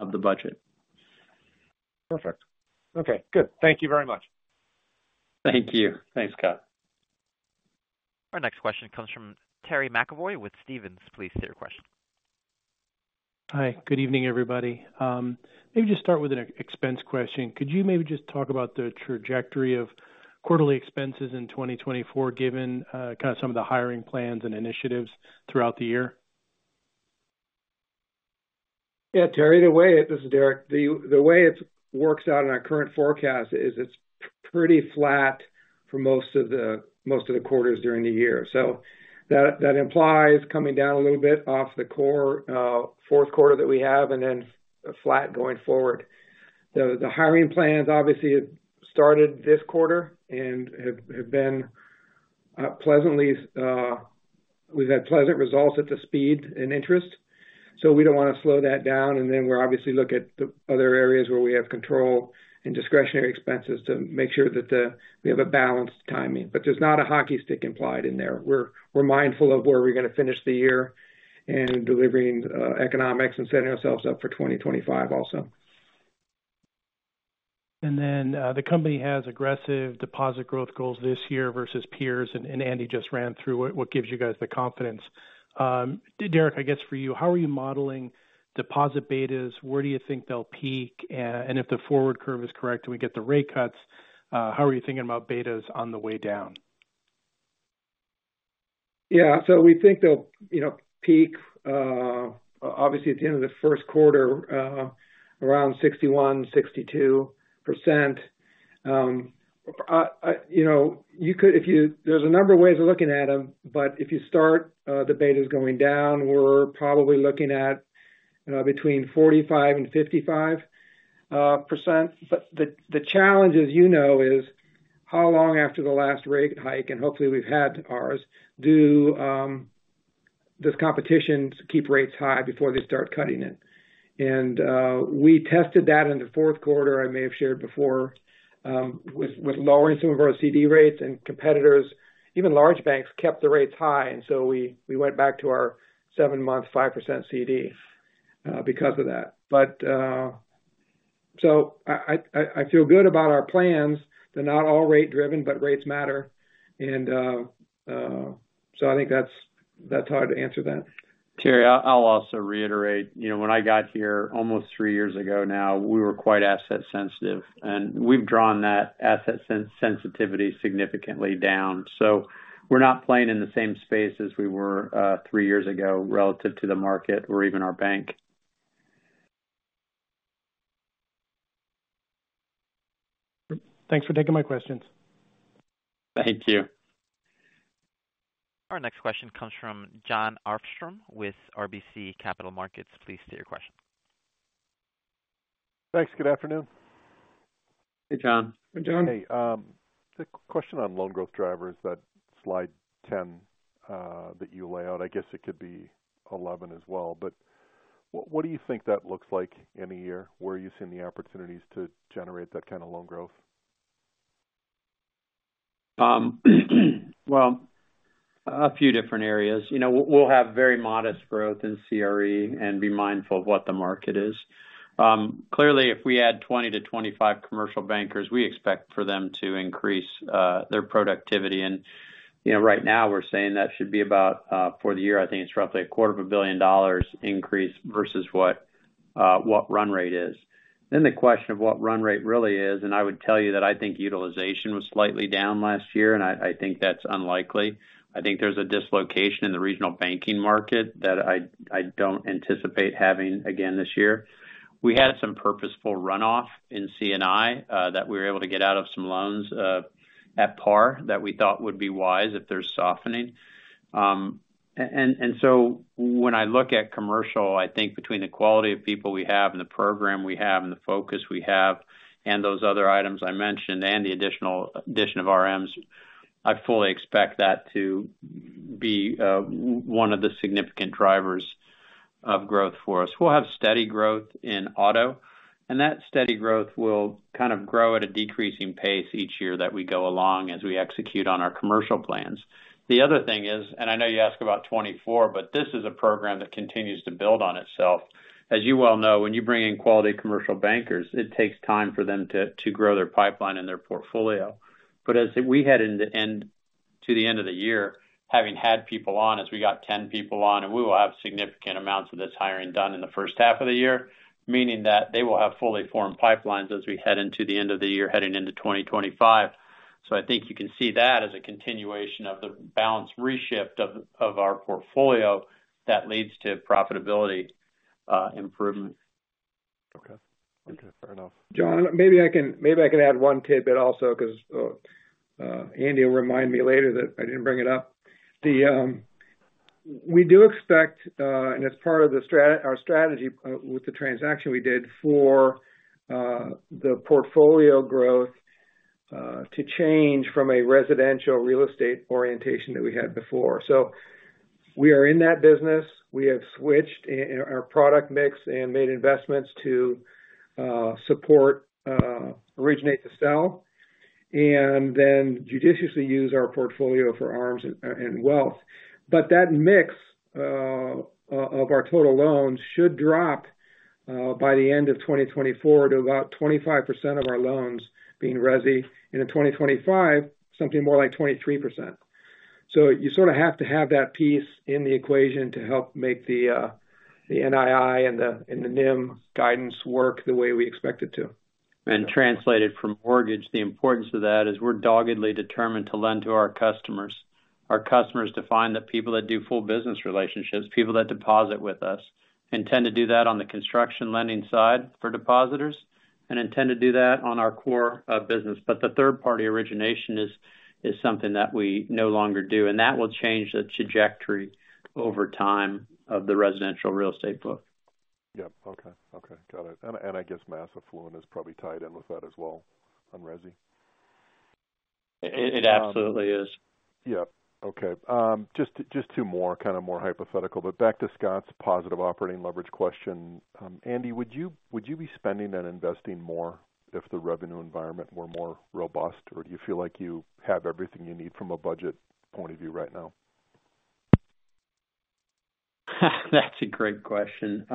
of the budget. Perfect. Okay, good. Thank you very much. Thank you. Thanks, Scott. Our next question comes from Terry McEvoy with Stephens. Please state your question. Hi, good evening, everybody. Maybe just start with an expense question. Could you maybe just talk about the trajectory of quarterly expenses in 2024, given, kind of some of the hiring plans and initiatives throughout the year? Yeah, Terry, the way... This is Derek. The way it works out in our current forecast is it's pretty flat for most of the quarters during the year. So that implies coming down a little bit off the core fourth quarter that we have, and then flat going forward. The hiring plans obviously started this quarter and have been pleasantly - we've had pleasant results at the speed and interest, so we don't want to slow that down. And then we're obviously look at the other areas where we have control and discretionary expenses to make sure that we have a balanced timing. But there's not a hockey stick implied in there. We're mindful of where we're going to finish the year and delivering economics and setting ourselves up for 2025 also. Then, the company has aggressive deposit growth goals this year versus peers, and Andy just ran through it. What gives you guys the confidence? Derek, I guess for you, how are you modeling deposit betas? Where do you think they'll peak? And if the forward curve is correct and we get the rate cuts, how are you thinking about betas on the way down? Yeah, so we think they'll, you know, peak, obviously, at the end of the first quarter, around 61%-62%. You know, you could—if you—there's a number of ways of looking at them, but if you start the betas going down, we're probably looking at, you know, between 45% and 55%. But the challenge, as you know, is how long after the last rate hike, and hopefully we've had ours, does competition keep rates high before they start cutting it? And we tested that in the fourth quarter, I may have shared before, with lowering some of our CD rates and competitors. Even large banks kept the rates high, and so we went back to our 7-month, 5% CD because of that. But... So I feel good about our plans. They're not all rate driven, but rates matter. And so I think that's how to answer that. Terry, I'll also reiterate, you know, when I got here almost three years ago now, we were quite asset sensitive, and we've drawn that asset sensitivity significantly down. So we're not playing in the same space as we were three years ago relative to the market or even our bank. Thanks for taking my questions. Thank you. Our next question comes from Jon Arfstrom with RBC Capital Markets. Please state your question. Thanks. Good afternoon. Hey, John. Hey, John. Hey, the question on loan growth drivers, that slide 10, that you lay out, I guess it could be 11 as well, but what do you think that looks like in a year? Where are you seeing the opportunities to generate that kind of loan growth? Well, a few different areas. You know, we'll have very modest growth in CRE and be mindful of what the market is. Clearly, if we add 20-25 commercial bankers, we expect for them to increase their productivity. And, you know, right now we're saying that should be about for the year, I think it's roughly $250 million increase versus what what run rate is. Then the question of what run rate really is, and I would tell you that I think utilization was slightly down last year, and I think that's unlikely. I think there's a dislocation in the regional banking market that I don't anticipate having again this year. We had some purposeful runoff in C&I that we were able to get out of some loans at par that we thought would be wise if there's softening. And so when I look at commercial, I think between the quality of people we have and the program we have and the focus we have, and those other items I mentioned, and the addition of RMs, I fully expect that to be one of the significant drivers of growth for us. We'll have steady growth in auto, and that steady growth will kind of grow at a decreasing pace each year that we go along as we execute on our commercial plans. The other thing is, and I know you asked about 2024, but this is a program that continues to build on itself. As you well know, when you bring in quality commercial bankers, it takes time for them to grow their pipeline and their portfolio. But as we head into the end of the year, having had people on, as we got 10 people on, and we will have significant amounts of this hiring done in the first half of the year, meaning that they will have fully formed pipelines as we head into the end of the year, heading into 2025. So I think you can see that as a continuation of the balanced reshift of our portfolio that leads to profitability improvement. Okay. Okay, fair enough. John, maybe I can, maybe I can add one tidbit also, because Andy will remind me later that I didn't bring it up. We do expect, and as part of our strategy with the transaction we did for the portfolio growth, to change from a residential real estate orientation that we had before. So we are in that business. We have switched our product mix and made investments to support originate to sell, and then judiciously use our portfolio for arms and wealth. But that mix of our total loans should drop by the end of 2024 to about 25% of our loans being resi, and in 2025, something more like 23%. So you sort of have to have that piece in the equation to help make the, the NII and the, and the NIM guidance work the way we expect it to. Translated from mortgage, the importance of that is we're doggedly determined to lend to our customers. Our customers define the people that do full business relationships, people that deposit with us, intend to do that on the construction lending side for depositors, and intend to do that on our core, business. The third-party origination is something that we no longer do, and that will change the trajectory over time of the residential real estate book. Yep. Okay. Okay, got it. And, and I guess mass affluent is probably tied in with that as well on resi. It absolutely is. Yep. Okay. Just, just two more, kind of more hypothetical, but back to Scott's positive operating leverage question. Andy, would you- would you be spending and investing more if the revenue environment were more robust? Or do you feel like you have everything you need from a budget point of view right now? That's a great question.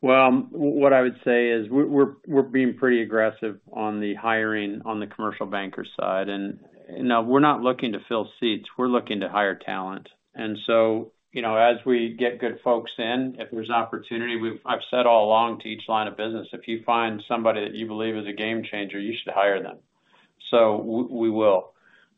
Well, what I would say is we're being pretty aggressive on the hiring on the commercial banker side, and, no, we're not looking to fill seats, we're looking to hire talent. And so, you know, as we get good folks in, if there's opportunity, I've said all along to each line of business, if you find somebody that you believe is a game changer, you should hire them. So we will.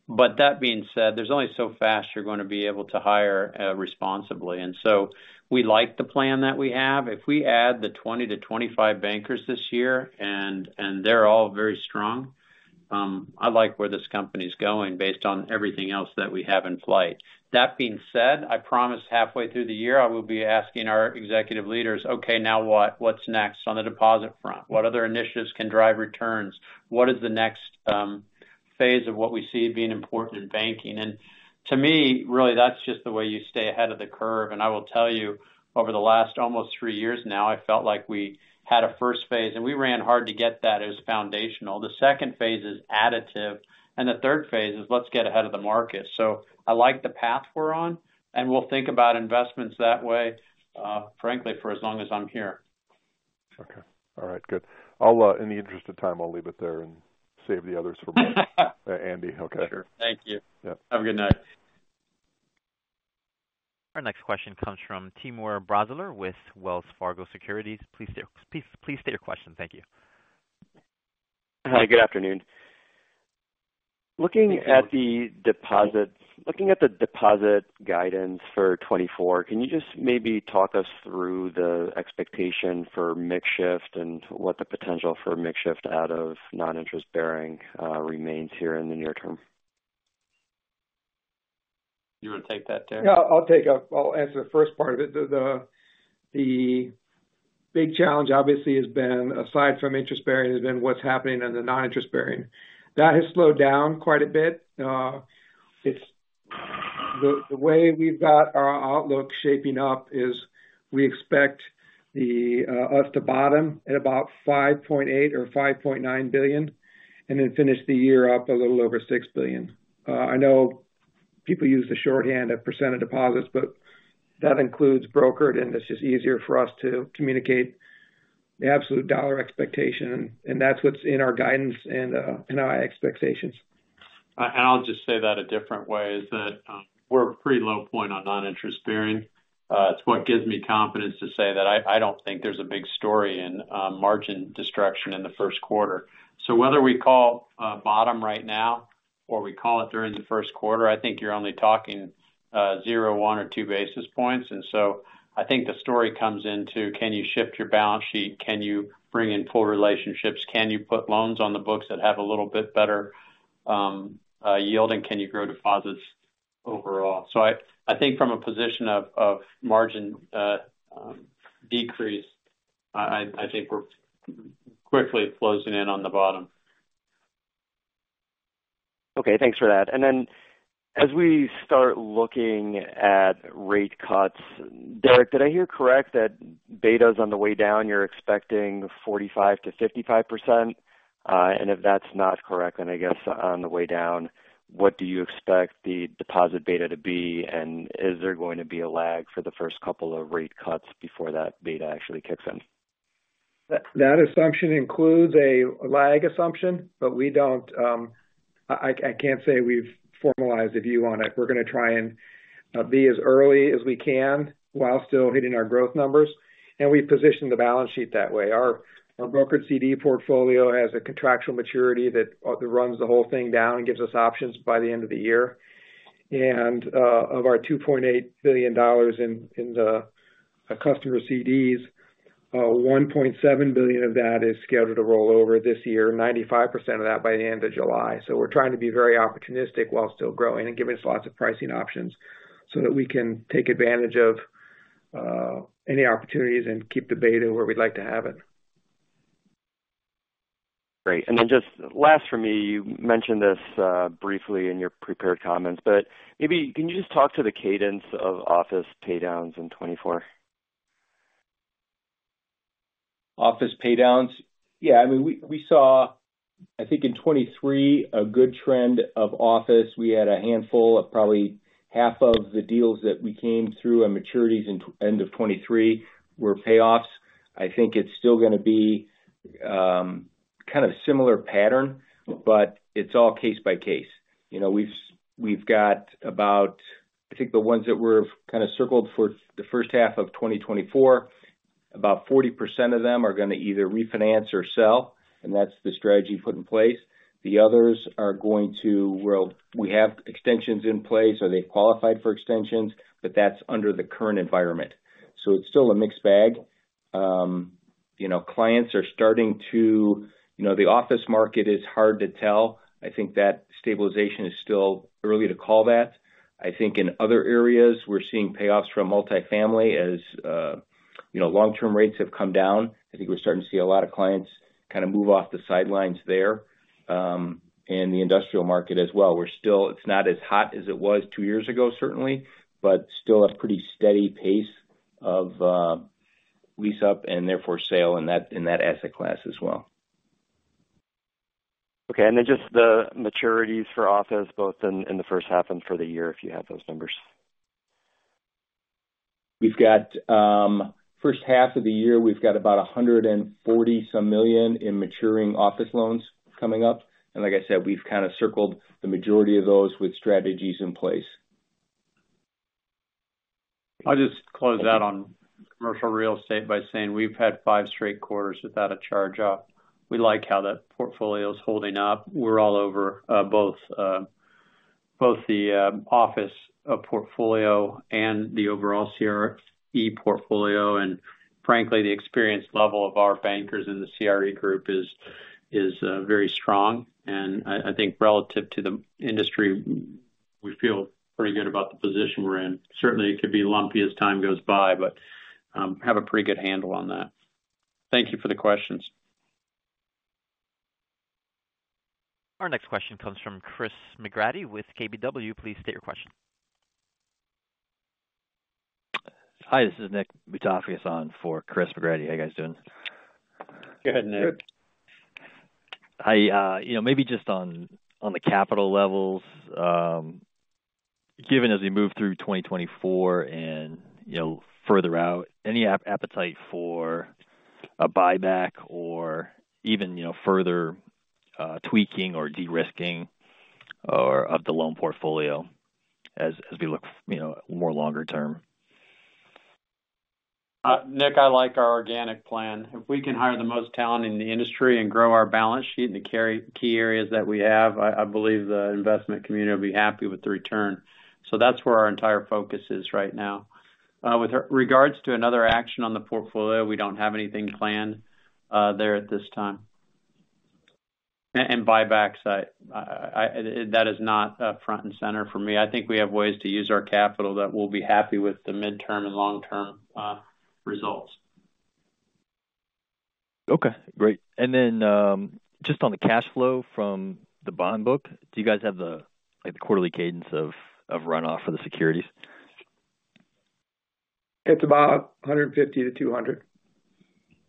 But that being said, there's only so fast you're going to be able to hire responsibly, and so we like the plan that we have. If we add the 20-25 bankers this year, and they're all very strong, I like where this company is going based on everything else that we have in flight. That being said, I promise halfway through the year, I will be asking our executive leaders: "Okay, now what? What's next on the deposit front? What other initiatives can drive returns? What is the next phase of what we see being important in banking?" And to me, really, that's just the way you stay ahead of the curve. And I will tell you, over the last almost three years now, I felt like we had a first phase, and we ran hard to get that as foundational. The second phase is additive, and the third phase is let's get ahead of the market. So I like the path we're on, and we'll think about investments that way, frankly, for as long as I'm here. Okay. All right, good. I'll, in the interest of time, I'll leave it there and save the others for Andy. Okay. Sure. Thank you. Yeah. Have a good night. Our next question comes from Timur Braziler with Wells Fargo Securities. Please state, please, please state your question. Thank you. Hi, good afternoon. Looking at the deposit guidance for 2024, can you just maybe talk us through the expectation for mix shift and what the potential for mix shift out of non-interest bearing remains here in the near term? You want to take that, Derek? Yeah, I'll take it. I'll answer the first part of it. The big challenge, obviously, has been, aside from interest bearing, has been what's happening in the non-interest bearing. That has slowed down quite a bit. It's... The way we've got our outlook shaping up is we expect us to bottom at about $5.8 billion-$5.9 billion, and then finish the year up a little over $6 billion. I know people use the shorthand of % of deposits, but that includes brokered, and it's just easier for us to communicate the absolute dollar expectation, and that's what's in our guidance and in our expectations. I'll just say that a different way, is that, we're a pretty low point on non-interest bearing. It's what gives me confidence to say that I, I don't think there's a big story in, margin destruction in the first quarter. So whether we call a bottom right now or we call it during the first quarter, I think you're only talking, 0, 1 or 2 basis points. And so I think the story comes into: Can you shift your balance sheet? Can you bring in full relationships? Can you put loans on the books that have a little bit better, yield? And can you grow deposits overall? So I, I think from a position of, of margin, decrease, I, I think we're quickly closing in on the bottom. Okay, thanks for that. Then as we start looking at rate cuts, Derek, did I hear correct that beta's on the way down, you're expecting 45%-55%? And if that's not correct, then I guess on the way down, what do you expect the deposit beta to be? And is there going to be a lag for the first couple of rate cuts before that beta actually kicks in? That assumption includes a lag assumption, but we don't. I can't say we've formalized a view on it. We're going to try and be as early as we can while still hitting our growth numbers, and we've positioned the balance sheet that way. Our brokered CD portfolio has a contractual maturity that runs the whole thing down and gives us options by the end of the year. And of our $2.8 billion in the customer CDs, $1.7 billion of that is scheduled to roll over this year, 95% of that by the end of July. So we're trying to be very opportunistic while still growing and giving us lots of pricing options, so that we can take advantage of any opportunities and keep the beta where we'd like to have it. Great. And then just last for me, you mentioned this, briefly in your prepared comments, but maybe can you just talk to the cadence of office paydowns in 2024? Office paydowns? Yeah, I mean, we, we saw, I think in 2023, a good trend of office. We had a handful of probably half of the deals that we came through on maturities in end of 2023 were payoffs. I think it's still going to be-... kind of similar pattern, but it's all case by case. You know, we've, we've got about—I think the ones that we've kind of circled for the first half of 2024, about 40% of them are going to either refinance or sell, and that's the strategy put in place. The others are going to, well, we have extensions in place, or they qualified for extensions, but that's under the current environment. So it's still a mixed bag. You know, clients are starting to... You know, the office market is hard to tell. I think that stabilization is still early to call that. I think in other areas, we're seeing payoffs from multifamily as, you know, long-term rates have come down. I think we're starting to see a lot of clients kind of move off the sidelines there, and the industrial market as well. We're still. It's not as hot as it was two years ago, certainly, but still a pretty steady pace of lease-up and therefore sale in that, in that asset class as well. Okay, and then just the maturities for office, both in the first half and for the year, if you have those numbers? We've got first half of the year, we've got about $140-some million in maturing office loans coming up, and like I said, we've kind of circled the majority of those with strategies in place. I'll just close out on commercial real estate by saying we've had five straight quarters without a charge-off. We like how that portfolio is holding up. We're all over both the office portfolio and the overall CRE portfolio. And frankly, the experience level of our bankers in the CRE group is very strong. And I think relative to the industry, we feel pretty good about the position we're in. Certainly, it could be lumpy as time goes by, but have a pretty good handle on that. Thank you for the questions. Our next question comes from Chris McGratty with KBW. Please state your question. Hi, this is Nick Butaficas on for Chris McGratty. How you guys doing? Go ahead, Nick. Good. I, you know, maybe just on the capital levels, given as we move through 2024 and, you know, further out, any appetite for a buyback or even, you know, further, tweaking or de-risking of the loan portfolio as we look, you know, more longer term? Nick, I like our organic plan. If we can hire the most talent in the industry and grow our balance sheet in the key areas that we have, I believe the investment community will be happy with the return. So that's where our entire focus is right now. With regards to another action on the portfolio, we don't have anything planned there at this time. And buybacks, that is not front and center for me. I think we have ways to use our capital that we'll be happy with the midterm and long-term results. Okay, great. Then, just on the cash flow from the bond book, do you guys have the, like, the quarterly cadence of runoff for the securities? It's about 150-200.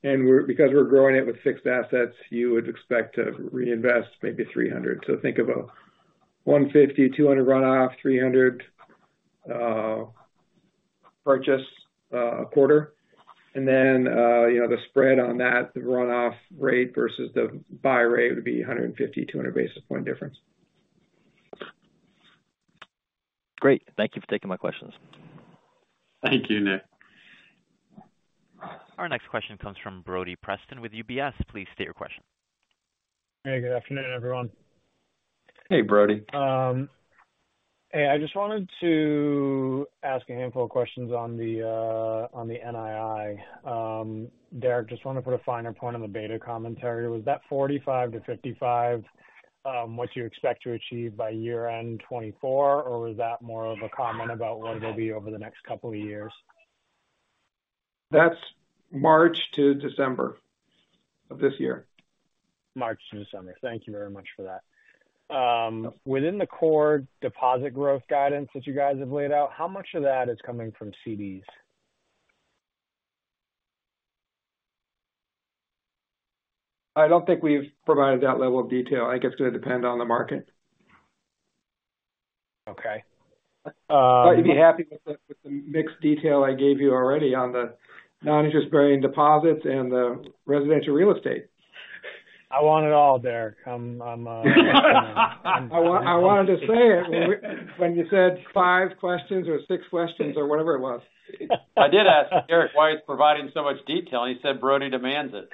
And we're-- because we're growing it with fixed assets, you would expect to reinvest maybe 300. So think of a 150-200 runoff, 300 purchase a quarter. And then, you know, the spread on that, the runoff rate versus the buy rate would be 150-200 basis point difference. Great. Thank you for taking my questions. Thank you, Nick. Our next question comes from Brody Preston with UBS. Please state your question. Hey, good afternoon, everyone. Hey, Brody. Hey, I just wanted to ask a handful of questions on the NII. Derek, just want to put a finer point on the beta commentary. Was that 45-55, what you expect to achieve by year-end 2024, or was that more of a comment about where it'll be over the next couple of years? That's March to December of this year. March to December. Thank you very much for that. Within the core deposit growth guidance that you guys have laid out, how much of that is coming from CDs? I don't think we've provided that level of detail. I think it's going to depend on the market. Okay. Uh- I thought you'd be happy with the mixed detail I gave you already on the non-interest-bearing deposits and the residential real estate. I want it all, Derek. I'm I want, I wanted to say it when we, when you said 5 questions or 6 questions or whatever it was. I did ask Derek why he's providing so much detail, and he said, "Brody demands it.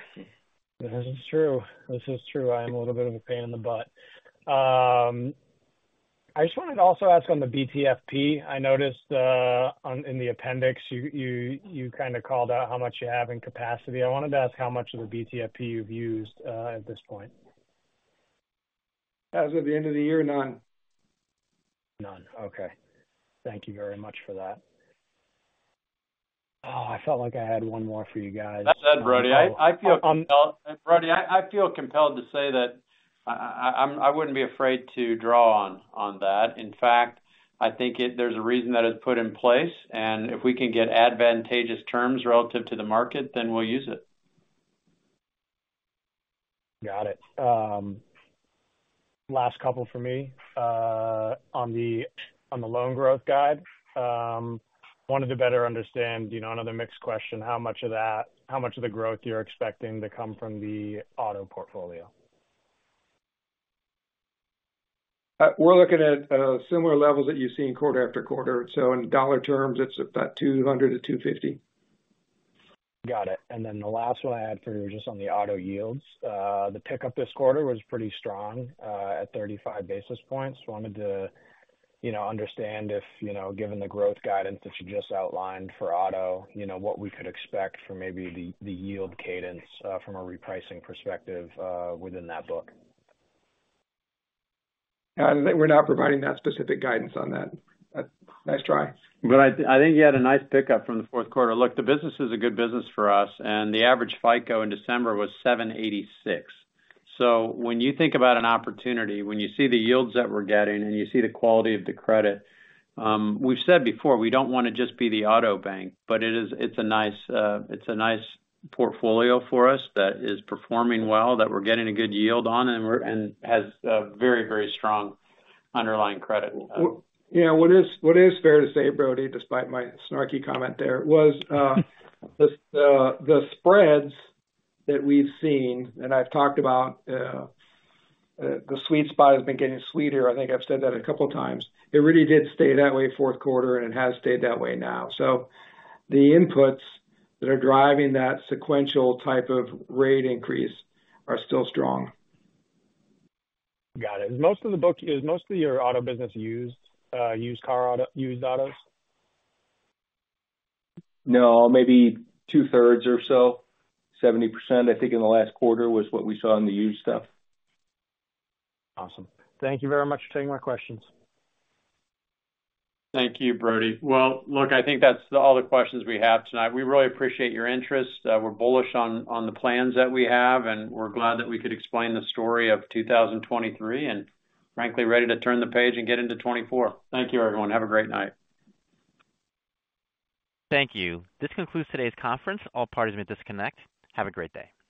This is true. This is true. I am a little bit of a pain in the butt. I just wanted to also ask on the BTFP. I noticed, on, in the appendix, you kind of called out how much you have in capacity. I wanted to ask how much of the BTFP you've used, at this point. As of the end of the year, none. None. Okay. Thank you very much for that. Oh, I felt like I had one more for you guys. That's it, Brody. I feel- Um-... Brody, I feel compelled to say that I wouldn't be afraid to draw on that. In fact, I think it—there's a reason that it's put in place, and if we can get advantageous terms relative to the market, then we'll use it. Got it. Last couple for me, on the, on the loan growth guide. Wanted to better understand, you know, another mixed question, how much of that- how much of the growth you're expecting to come from the auto portfolio? We're looking at similar levels that you've seen quarter after quarter. So in dollar terms, it's about $200-$250. Got it. And then the last one I had for you, just on the auto yields. The pickup this quarter was pretty strong, at 35 basis points. Wanted to, you know, understand if, you know, given the growth guidance that you just outlined for auto, you know, what we could expect for maybe the, the yield cadence, from a repricing perspective, within that book. I think we're not providing that specific guidance on that. Nice try. But I think you had a nice pickup from the fourth quarter. Look, the business is a good business for us, and the average FICO in December was 786. So when you think about an opportunity, when you see the yields that we're getting and you see the quality of the credit, we've said before, we don't want to just be the auto bank, but it is, it's a nice, it's a nice portfolio for us that is performing well, that we're getting a good yield on, and has a very, very strong underlying credit. Well, yeah, what is fair to say, Brody, despite my snarky comment there, was the spreads that we've seen, and I've talked about the sweet spot has been getting sweeter. I think I've said that a couple of times. It really did stay that way fourth quarter, and it has stayed that way now. So the inputs that are driving that sequential type of rate increase are still strong. Got it. Is most of your auto business used, used car auto—used autos? No, maybe two-thirds or so. 70%, I think, in the last quarter was what we saw in the used stuff. Awesome. Thank you very much for taking my questions. Thank you, Brody. Well, look, I think that's all the questions we have tonight. We really appreciate your interest. We're bullish on the plans that we have, and we're glad that we could explain the story of 2023, and frankly, ready to turn the page and get into 2024. Thank you, everyone. Have a great night. Thank you. This concludes today's conference. All parties may disconnect. Have a great day.